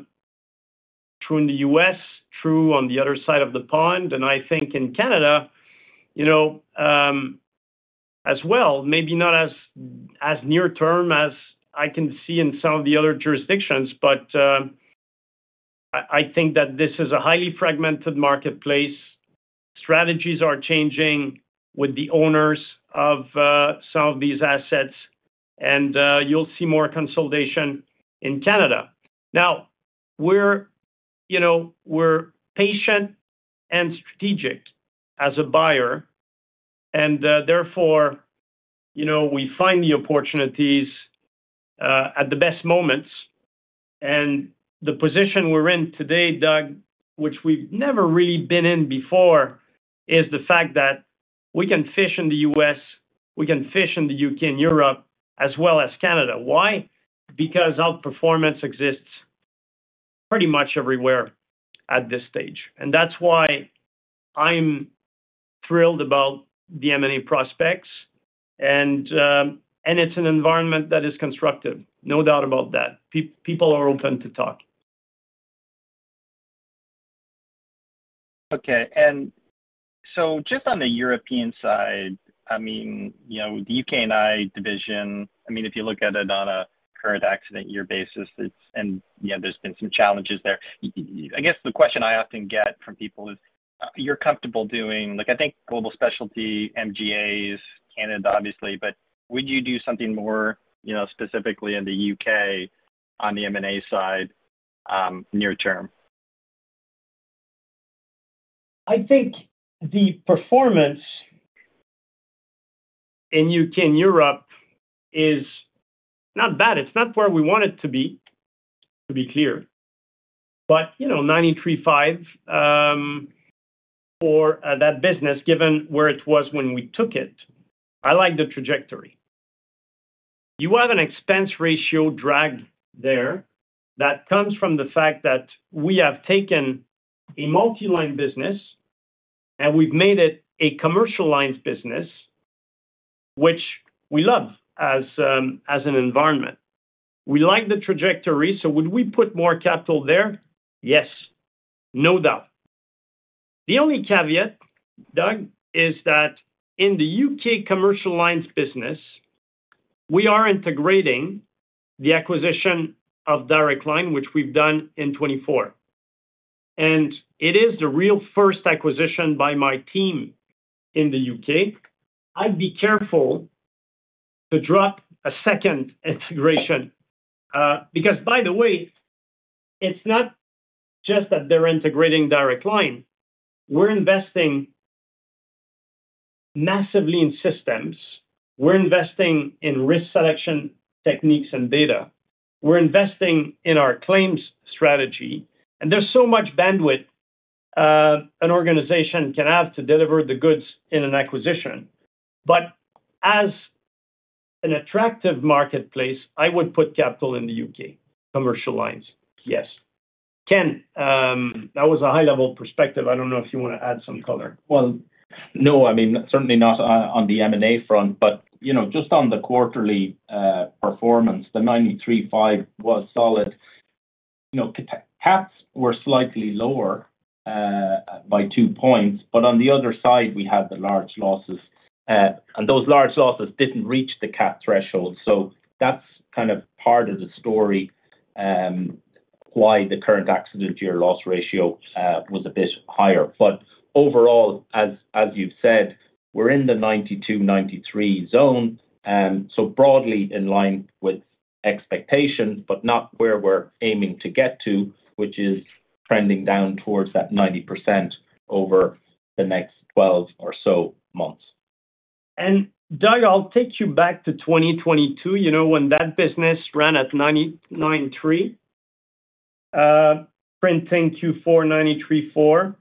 in the US, true on the other side of the pond. And I think in Canada as well, maybe not as near-term as I can see in some of the other jurisdictions. But I think that this is a highly fragmented marketplace. Strategies are changing with the owners of some of these assets. You'll see more consolidation in Canada. Now, we're patient and strategic as a buyer. Therefore, we find the opportunities at the best moments. The position we're in today, Doug, which we've never really been in before, is the fact that we can fish in the U.S. We can fish in the U.K. and Europe as well as Canada. Why? Because outperformance exists pretty much everywhere at this stage. That's why I'm thrilled about the M&A prospects. It's an environment that is constructive, no doubt about that. People are open to talk. Okay. And so just on the European side, I mean, the U.K. and Ireland division, I mean, if you look at it on a current accident year basis, and there's been some challenges there. I guess the question I often get from people is, "You're comfortable doing" I think Global Specialty, MGAs, Canada, obviously. But would you do something more specifically in the UK on the M&A side near-term? I think the performance in U.K. and Europe is not bad. It's not where we want it to be, to be clear. But 93.5% for that business, given where it was when we took it, I like the trajectory. You have an expense ratio drag there that comes from the fact that we have taken a multi-line business, and we've made it a Commercial lines business, which we love as an environment. We like the trajectory. So would we put more capital there? Yes, no doubt. The only caveat, Doug, is that in the U.K. Commercial lines business, we are integrating the acquisition of Direct Line, which we've done in 2024. And it is the real first acquisition by my team in the U.K. I'd be careful to drop a second integration because, by the way, it's not just that they're integrating Direct Line. We're investing massively in systems. We're investing in risk selection techniques and data. We're investing in our claims strategy. And there's so much bandwidth an organization can have to deliver the goods in an acquisition. But as an attractive marketplace, I would put capital in the U.K. Commercial lines, yes. Ken, that was a high-level perspective. I don't know if you want to add some color. Well, no. I mean, certainly not on the M&A front. But just on the quarterly performance, the 93.5% was solid. CATs were slightly lower by two points. But on the other side, we had the large losses. And those large losses didn't reach the CAT threshold. So that's kind of part of the story why the current accident year loss ratio was a bit higher. But overall, as you've said, we're in the 92%-93% zone, so broadly in line with expectation, but not where we're aiming to get to, which is trending down towards that 90% over the next 12 or so months. Doug, I'll take you back to 2022 when that business ran at 93%, printing Q4 93.4%,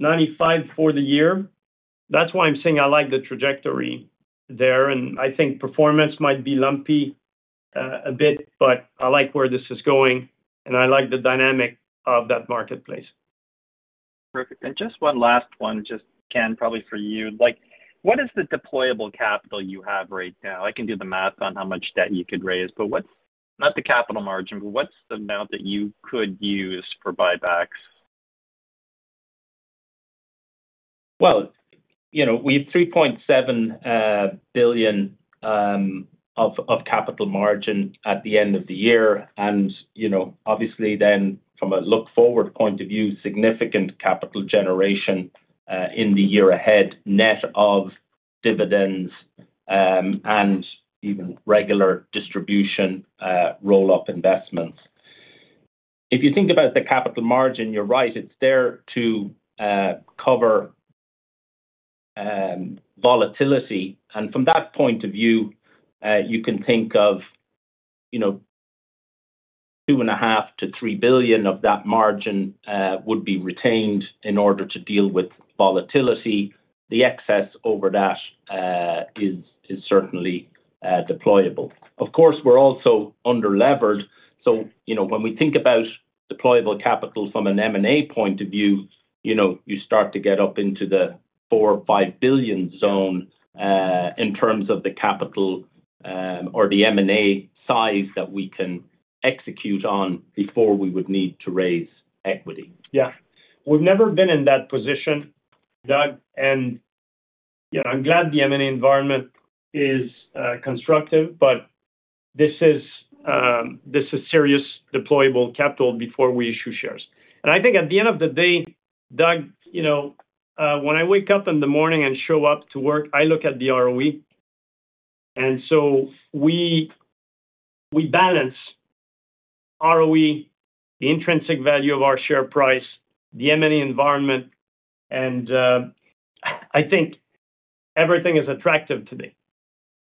95% for the year. That's why I'm saying I like the trajectory there. I like the dynamic of that marketplace. Perfect. Just one last one, just Ken, probably for you. What is the deployable capital you have right now? I can do the math on how much debt you could raise, but not the capital margin, but what's the amount that you could use for buybacks? Well, we have 3.7 billion of capital margin at the end of the year. Obviously, then from a look-forward point of view, significant capital generation in the year ahead, net of dividends and even regular distribution roll-up investments. If you think about the capital margin, you're right. It's there to cover volatility. And from that point of view, you can think of 2.5 billion-3 billion of that margin would be retained in order to deal with volatility. The excess over that is certainly deployable. Of course, we're also underlevered. So when we think about deployable capital from an M&A point of view, you start to get up into the 4 billion-5 billion zone in terms of the capital or the M&A size that we can execute on before we would need to raise equity. Yeah. We've never been in that position, Doug. And I'm glad the M&A environment is constructive, but this is serious deployable capital before we issue shares. And I think at the end of the day, Doug, when I wake up in the morning and show up to work, I look at the ROE. And so we balance ROE, the intrinsic value of our share price, the M&A environment. And I think everything is attractive today.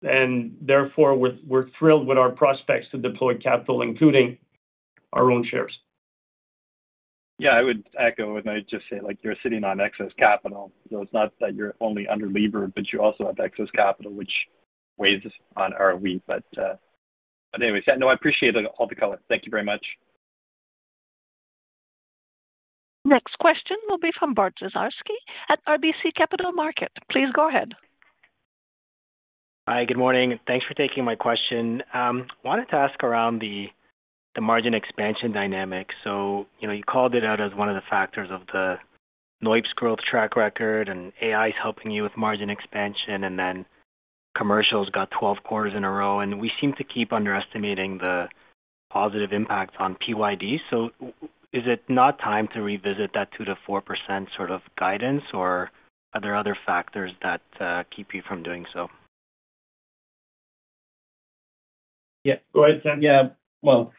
And therefore, we're thrilled with our prospects to deploy capital, including our own shares. Yeah. I would echo what I just said, "You're sitting on excess capital." So it's not that you're only underlevered, but you also have excess capital, which weighs on ROE. But anyways, no, I appreciate all the color. Thank you very much. Next question will be from Bart Dziarski at RBC Capital Markets. Please go ahead. Hi. Good morning. Thanks for taking my question. I wanted to ask around the margin expansion dynamic. So you called it out as one of the factors of the NOIPS growth track record, and AI is helping you with margin expansion, and then commercials got 12 quarters in a row. And we seem to keep underestimating the positive impact on PYD. So is it not time to revisit that 2%-4% sort of guidance, or are there other factors that keep you from doing so? Yeah. Go ahead, Ken. Yeah. Well,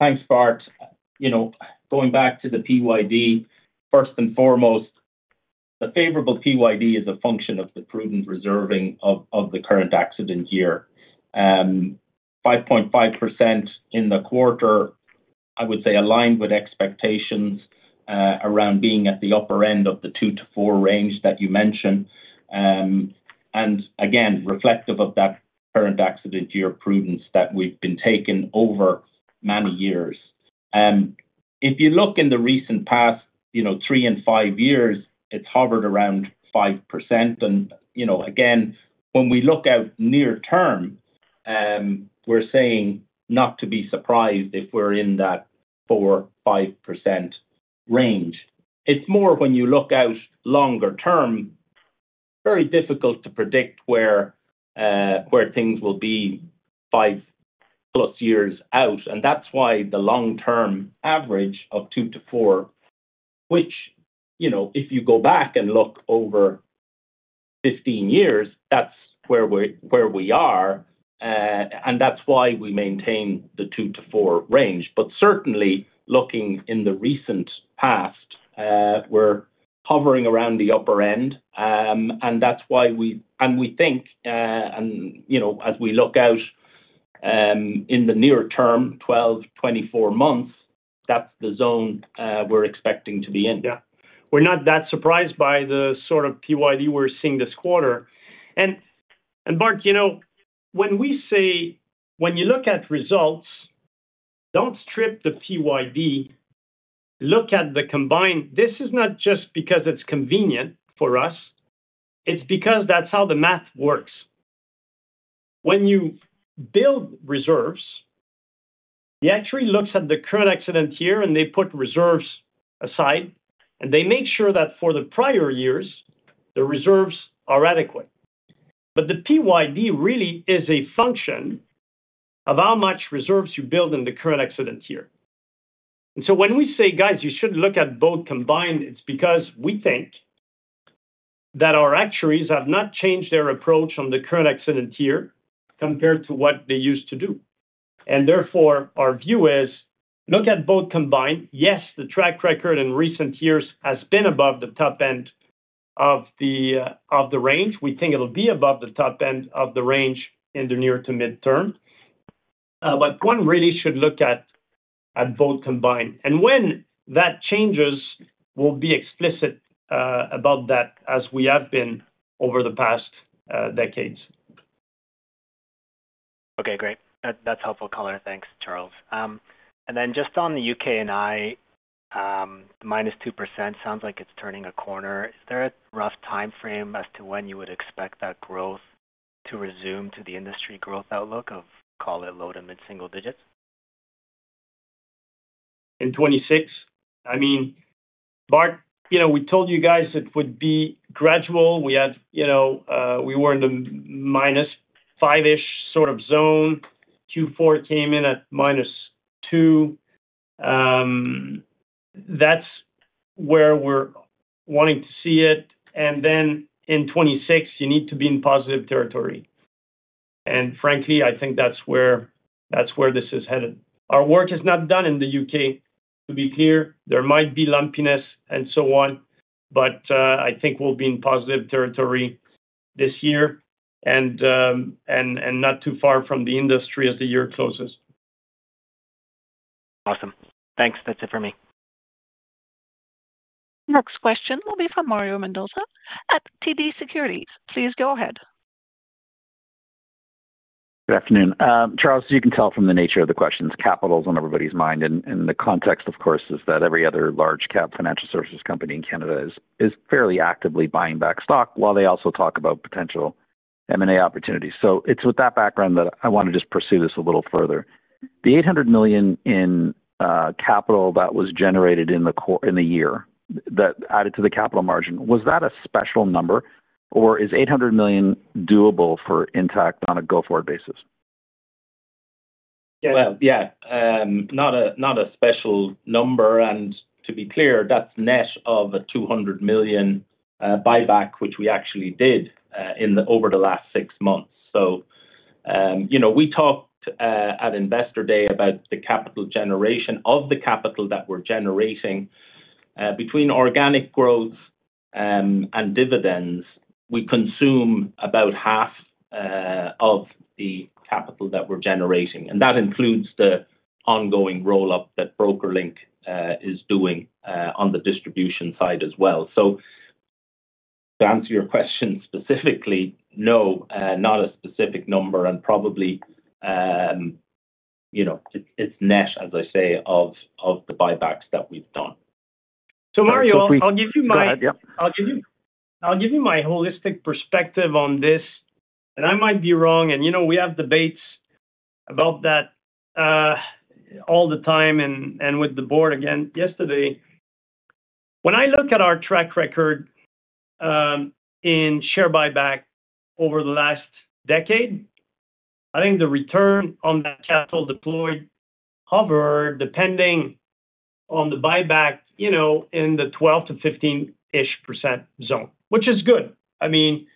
thanks, Bart. Going back to the PYD, first and foremost, the favorable PYD is a function of the prudent reserving of the current accident year. 5.5% in the quarter, I would say, aligned with expectations around being at the upper end of the 2%-4% range that you mentioned. And again, reflective of that current accident year prudence that we've been taking over many years. If you look in the recent past 3 and 5 years, it's hovered around 5%. And again, when we look out near-term, we're saying not to be surprised if we're in that 4%-5% range. It's more when you look out longer-term, very difficult to predict where things will be 5+ years out. And that's why the long-term average of 2%-4%, which if you go back and look over 15 years, that's where we are. That's why we maintain the 2%-4% range. But certainly, looking in the recent past, we're hovering around the upper end. That's why we think, and as we look out in the near-term, 12-24 months, that's the zone we're expecting to be in. Yeah. We're not that surprised by the sort of PYD we're seeing this quarter. And Bart, when we say, when you look at results, don't strip the PYD. Look at the combined. This is not just because it's convenient for us. It's because that's how the math works. When you build reserves, he actually looks at the current accident year, and they put reserves aside. And they make sure that for the prior years, the reserves are adequate. But the PYD really is a function of how much reserves you build in the current accident year. And so when we say, "Guys, you should look at both combined," it's because we think that our actuaries have not changed their approach on the current accident year compared to what they used to do. Therefore, our view is, "Look at both combined." Yes, the track record in recent years has been above the top end of the range. We think it'll be above the top end of the range in the near to mid-term. But one really should look at both combined. And when that changes, we'll be explicit about that as we have been over the past decades. Okay. Great. That's helpful color. Thanks, Charles. Then just on the U.K. and Ireland, the -2% sounds like it's turning a corner. Is there a rough timeframe as to when you would expect that growth to resume to the industry growth outlook of, call it, low- to mid-single digits? In 2026? I mean, Bart, we told you guys it would be gradual. We were in the -5%-ish sort of zone. Q4 came in at -2%. That's where we're wanting to see it. And then in 2026, you need to be in positive territory. And frankly, I think that's where this is headed. Our work is not done in the U.K., to be clear. There might be lumpiness and so on. But I think we'll be in positive territory this year and not too far from the industry as the year closes. Awesome. Thanks. That's it for me. Next question will be from Mario Mendonca at TD Securities. Please go ahead. Good afternoon. Charles, you can tell from the nature of the questions, capital's on everybody's mind. The context, of course, is that every other large-cap financial services company in Canada is fairly actively buying back stock while they also talk about potential M&A opportunities. It's with that background that I want to just pursue this a little further. The 800 million in capital that was generated in the year that added to the capital margin, was that a special number, or is 800 million doable for Intact on a go-forward basis? Well, yeah, not a special number. To be clear, that's net of a 200 million buyback, which we actually did over the last six months. So we talked at Investor Day about the capital generation of the capital that we're generating. Between organic growth and dividends, we consume about half of the capital that we're generating. And that includes the ongoing roll-up that BrokerLink is doing on the distribution side as well. So to answer your question specifically, no, not a specific number. And probably it's net, as I say, of the buybacks that we've done. So Mario, I'll give you my holistic perspective on this. I might be wrong. We have debates about that all the time and with the board again yesterday. When I look at our track record in share buyback over the last decade, I think the return on that capital deployed hovered, depending on the buyback, in the 12%-15%-ish zone, which is good. I mean,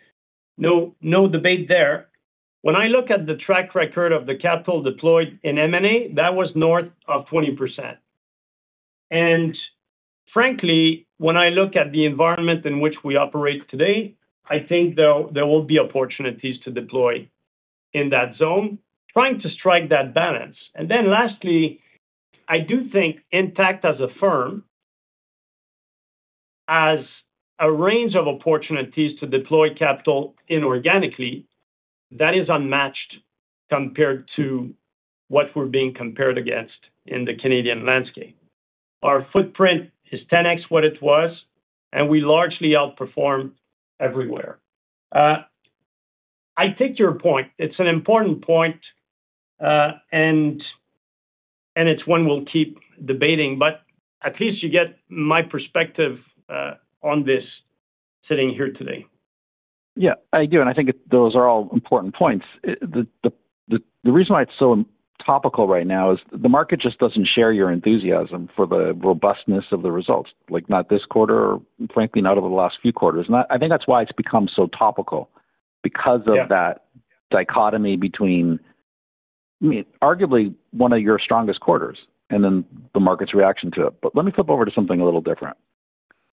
no debate there. When I look at the track record of the capital deployed in M&A, that was north of 20%. Frankly, when I look at the environment in which we operate today, I think there will be opportunities to deploy in that zone, trying to strike that balance. Then lastly, I do think Intact as a firm has a range of opportunities to deploy capital inorganically that is unmatched compared to what we're being compared against in the Canadian landscape. Our footprint is 10x what it was, and we largely outperform everywhere. I take your point. It's an important point, and it's one we'll keep debating. But at least you get my perspective on this sitting here today. Yeah, I do. I think those are all important points. The reason why it's so topical right now is the market just doesn't share your enthusiasm for the robustness of the results, not this quarter or, frankly, not over the last few quarters. I think that's why it's become so topical, because of that dichotomy between, I mean, arguably, one of your strongest quarters and then the market's reaction to it. Let me flip over to something a little different.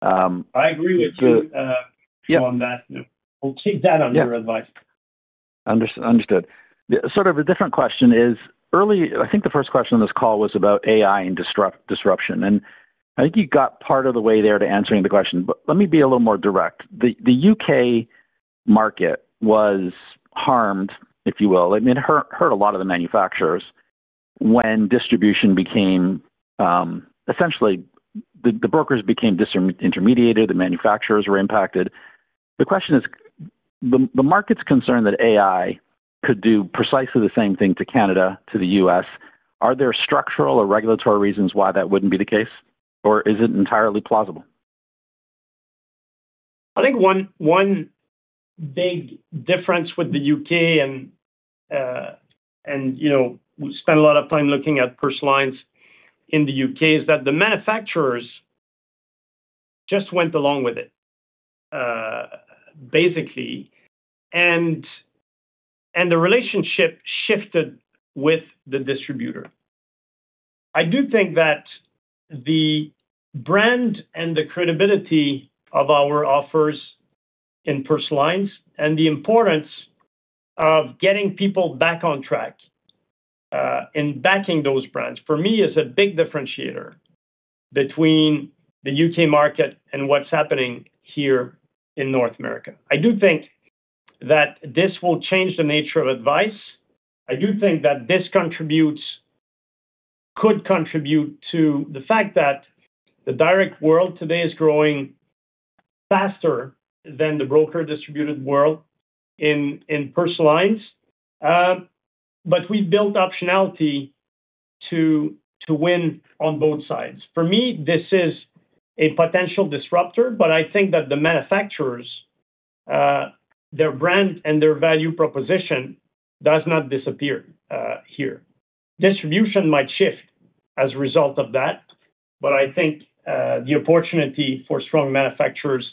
I agree with you on that. I'll take that on your advice. Understood. Sort of a different question is, I think the first question on this call was about AI and disruption. And I think you got part of the way there to answering the question. But let me be a little more direct. The U.K. market was harmed, if you will. I mean, it hurt a lot of the manufacturers when distribution became, essentially, the brokers became intermediated. The manufacturers were impacted. The question is, the market's concerned that AI could do precisely the same thing to Canada, to the U.S. Are there structural or regulatory reasons why that wouldn't be the case, or is it entirely plausible? I think one big difference with the U.K., and we spend a lot of time looking at Personal lines in the U.K., is that the manufacturers just went along with it, basically. The relationship shifted with the distributor. I do think that the brand and the credibility of our offers in Personal lines and the importance of getting people back on track and backing those brands, for me, is a big differentiator between the U.K. market and what's happening here in North America. I do think that this will change the nature of advice. I do think that this could contribute to the fact that the direct world today is growing faster than the broker-distributed world in Personal lines. But we've built optionality to win on both sides. For me, this is a potential disruptor. But I think that the manufacturers, their brand and their value proposition does not disappear here. Distribution might shift as a result of that. But I think the opportunity for strong manufacturers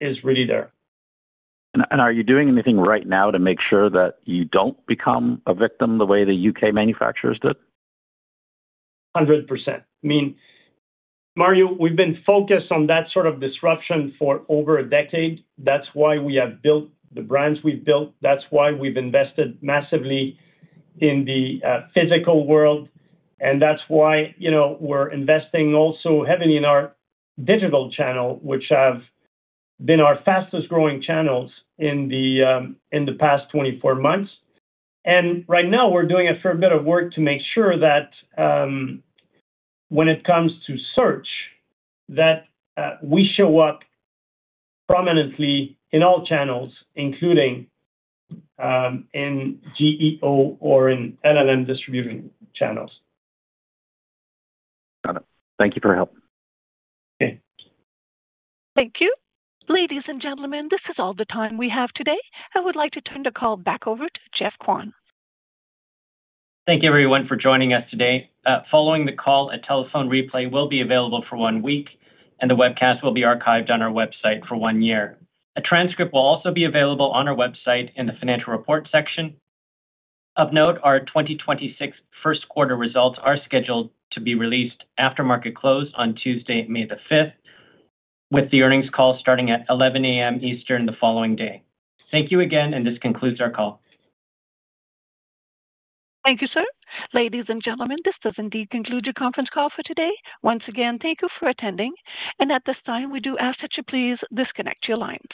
is really there. Are you doing anything right now to make sure that you don't become a victim the way the U.K. manufacturers did? 100%. I mean, Mario, we've been focused on that sort of disruption for over a decade. That's why we have built the brands we've built. That's why we've invested massively in the physical world. And that's why we're investing also heavily in our digital channel, which have been our fastest-growing channels in the past 24 months. And right now, we're doing a fair bit of work to make sure that when it comes to search, that we show up prominently in all channels, including in GEO or in LLM distribution channels. Got it. Thank you for your help. Thank you. Ladies and gentlemen, this is all the time we have today. I would like to turn the call back over to Geoff Kwan. Thank you, everyone, for joining us today. Following the call, a telephone replay will be available for one week, and the webcast will be archived on our website for one year. A transcript will also be available on our website in the financial report section. Of note, our 2026 first-quarter results are scheduled to be released after market close on Tuesday, May the 5th, with the earnings call starting at 11:00 A.M. Eastern the following day. Thank you again, and this concludes our call. Thank you, sir. Ladies and gentlemen, this does indeed conclude your conference call for today. Once again, thank you for attending. At this time, we do ask that you please disconnect your lines.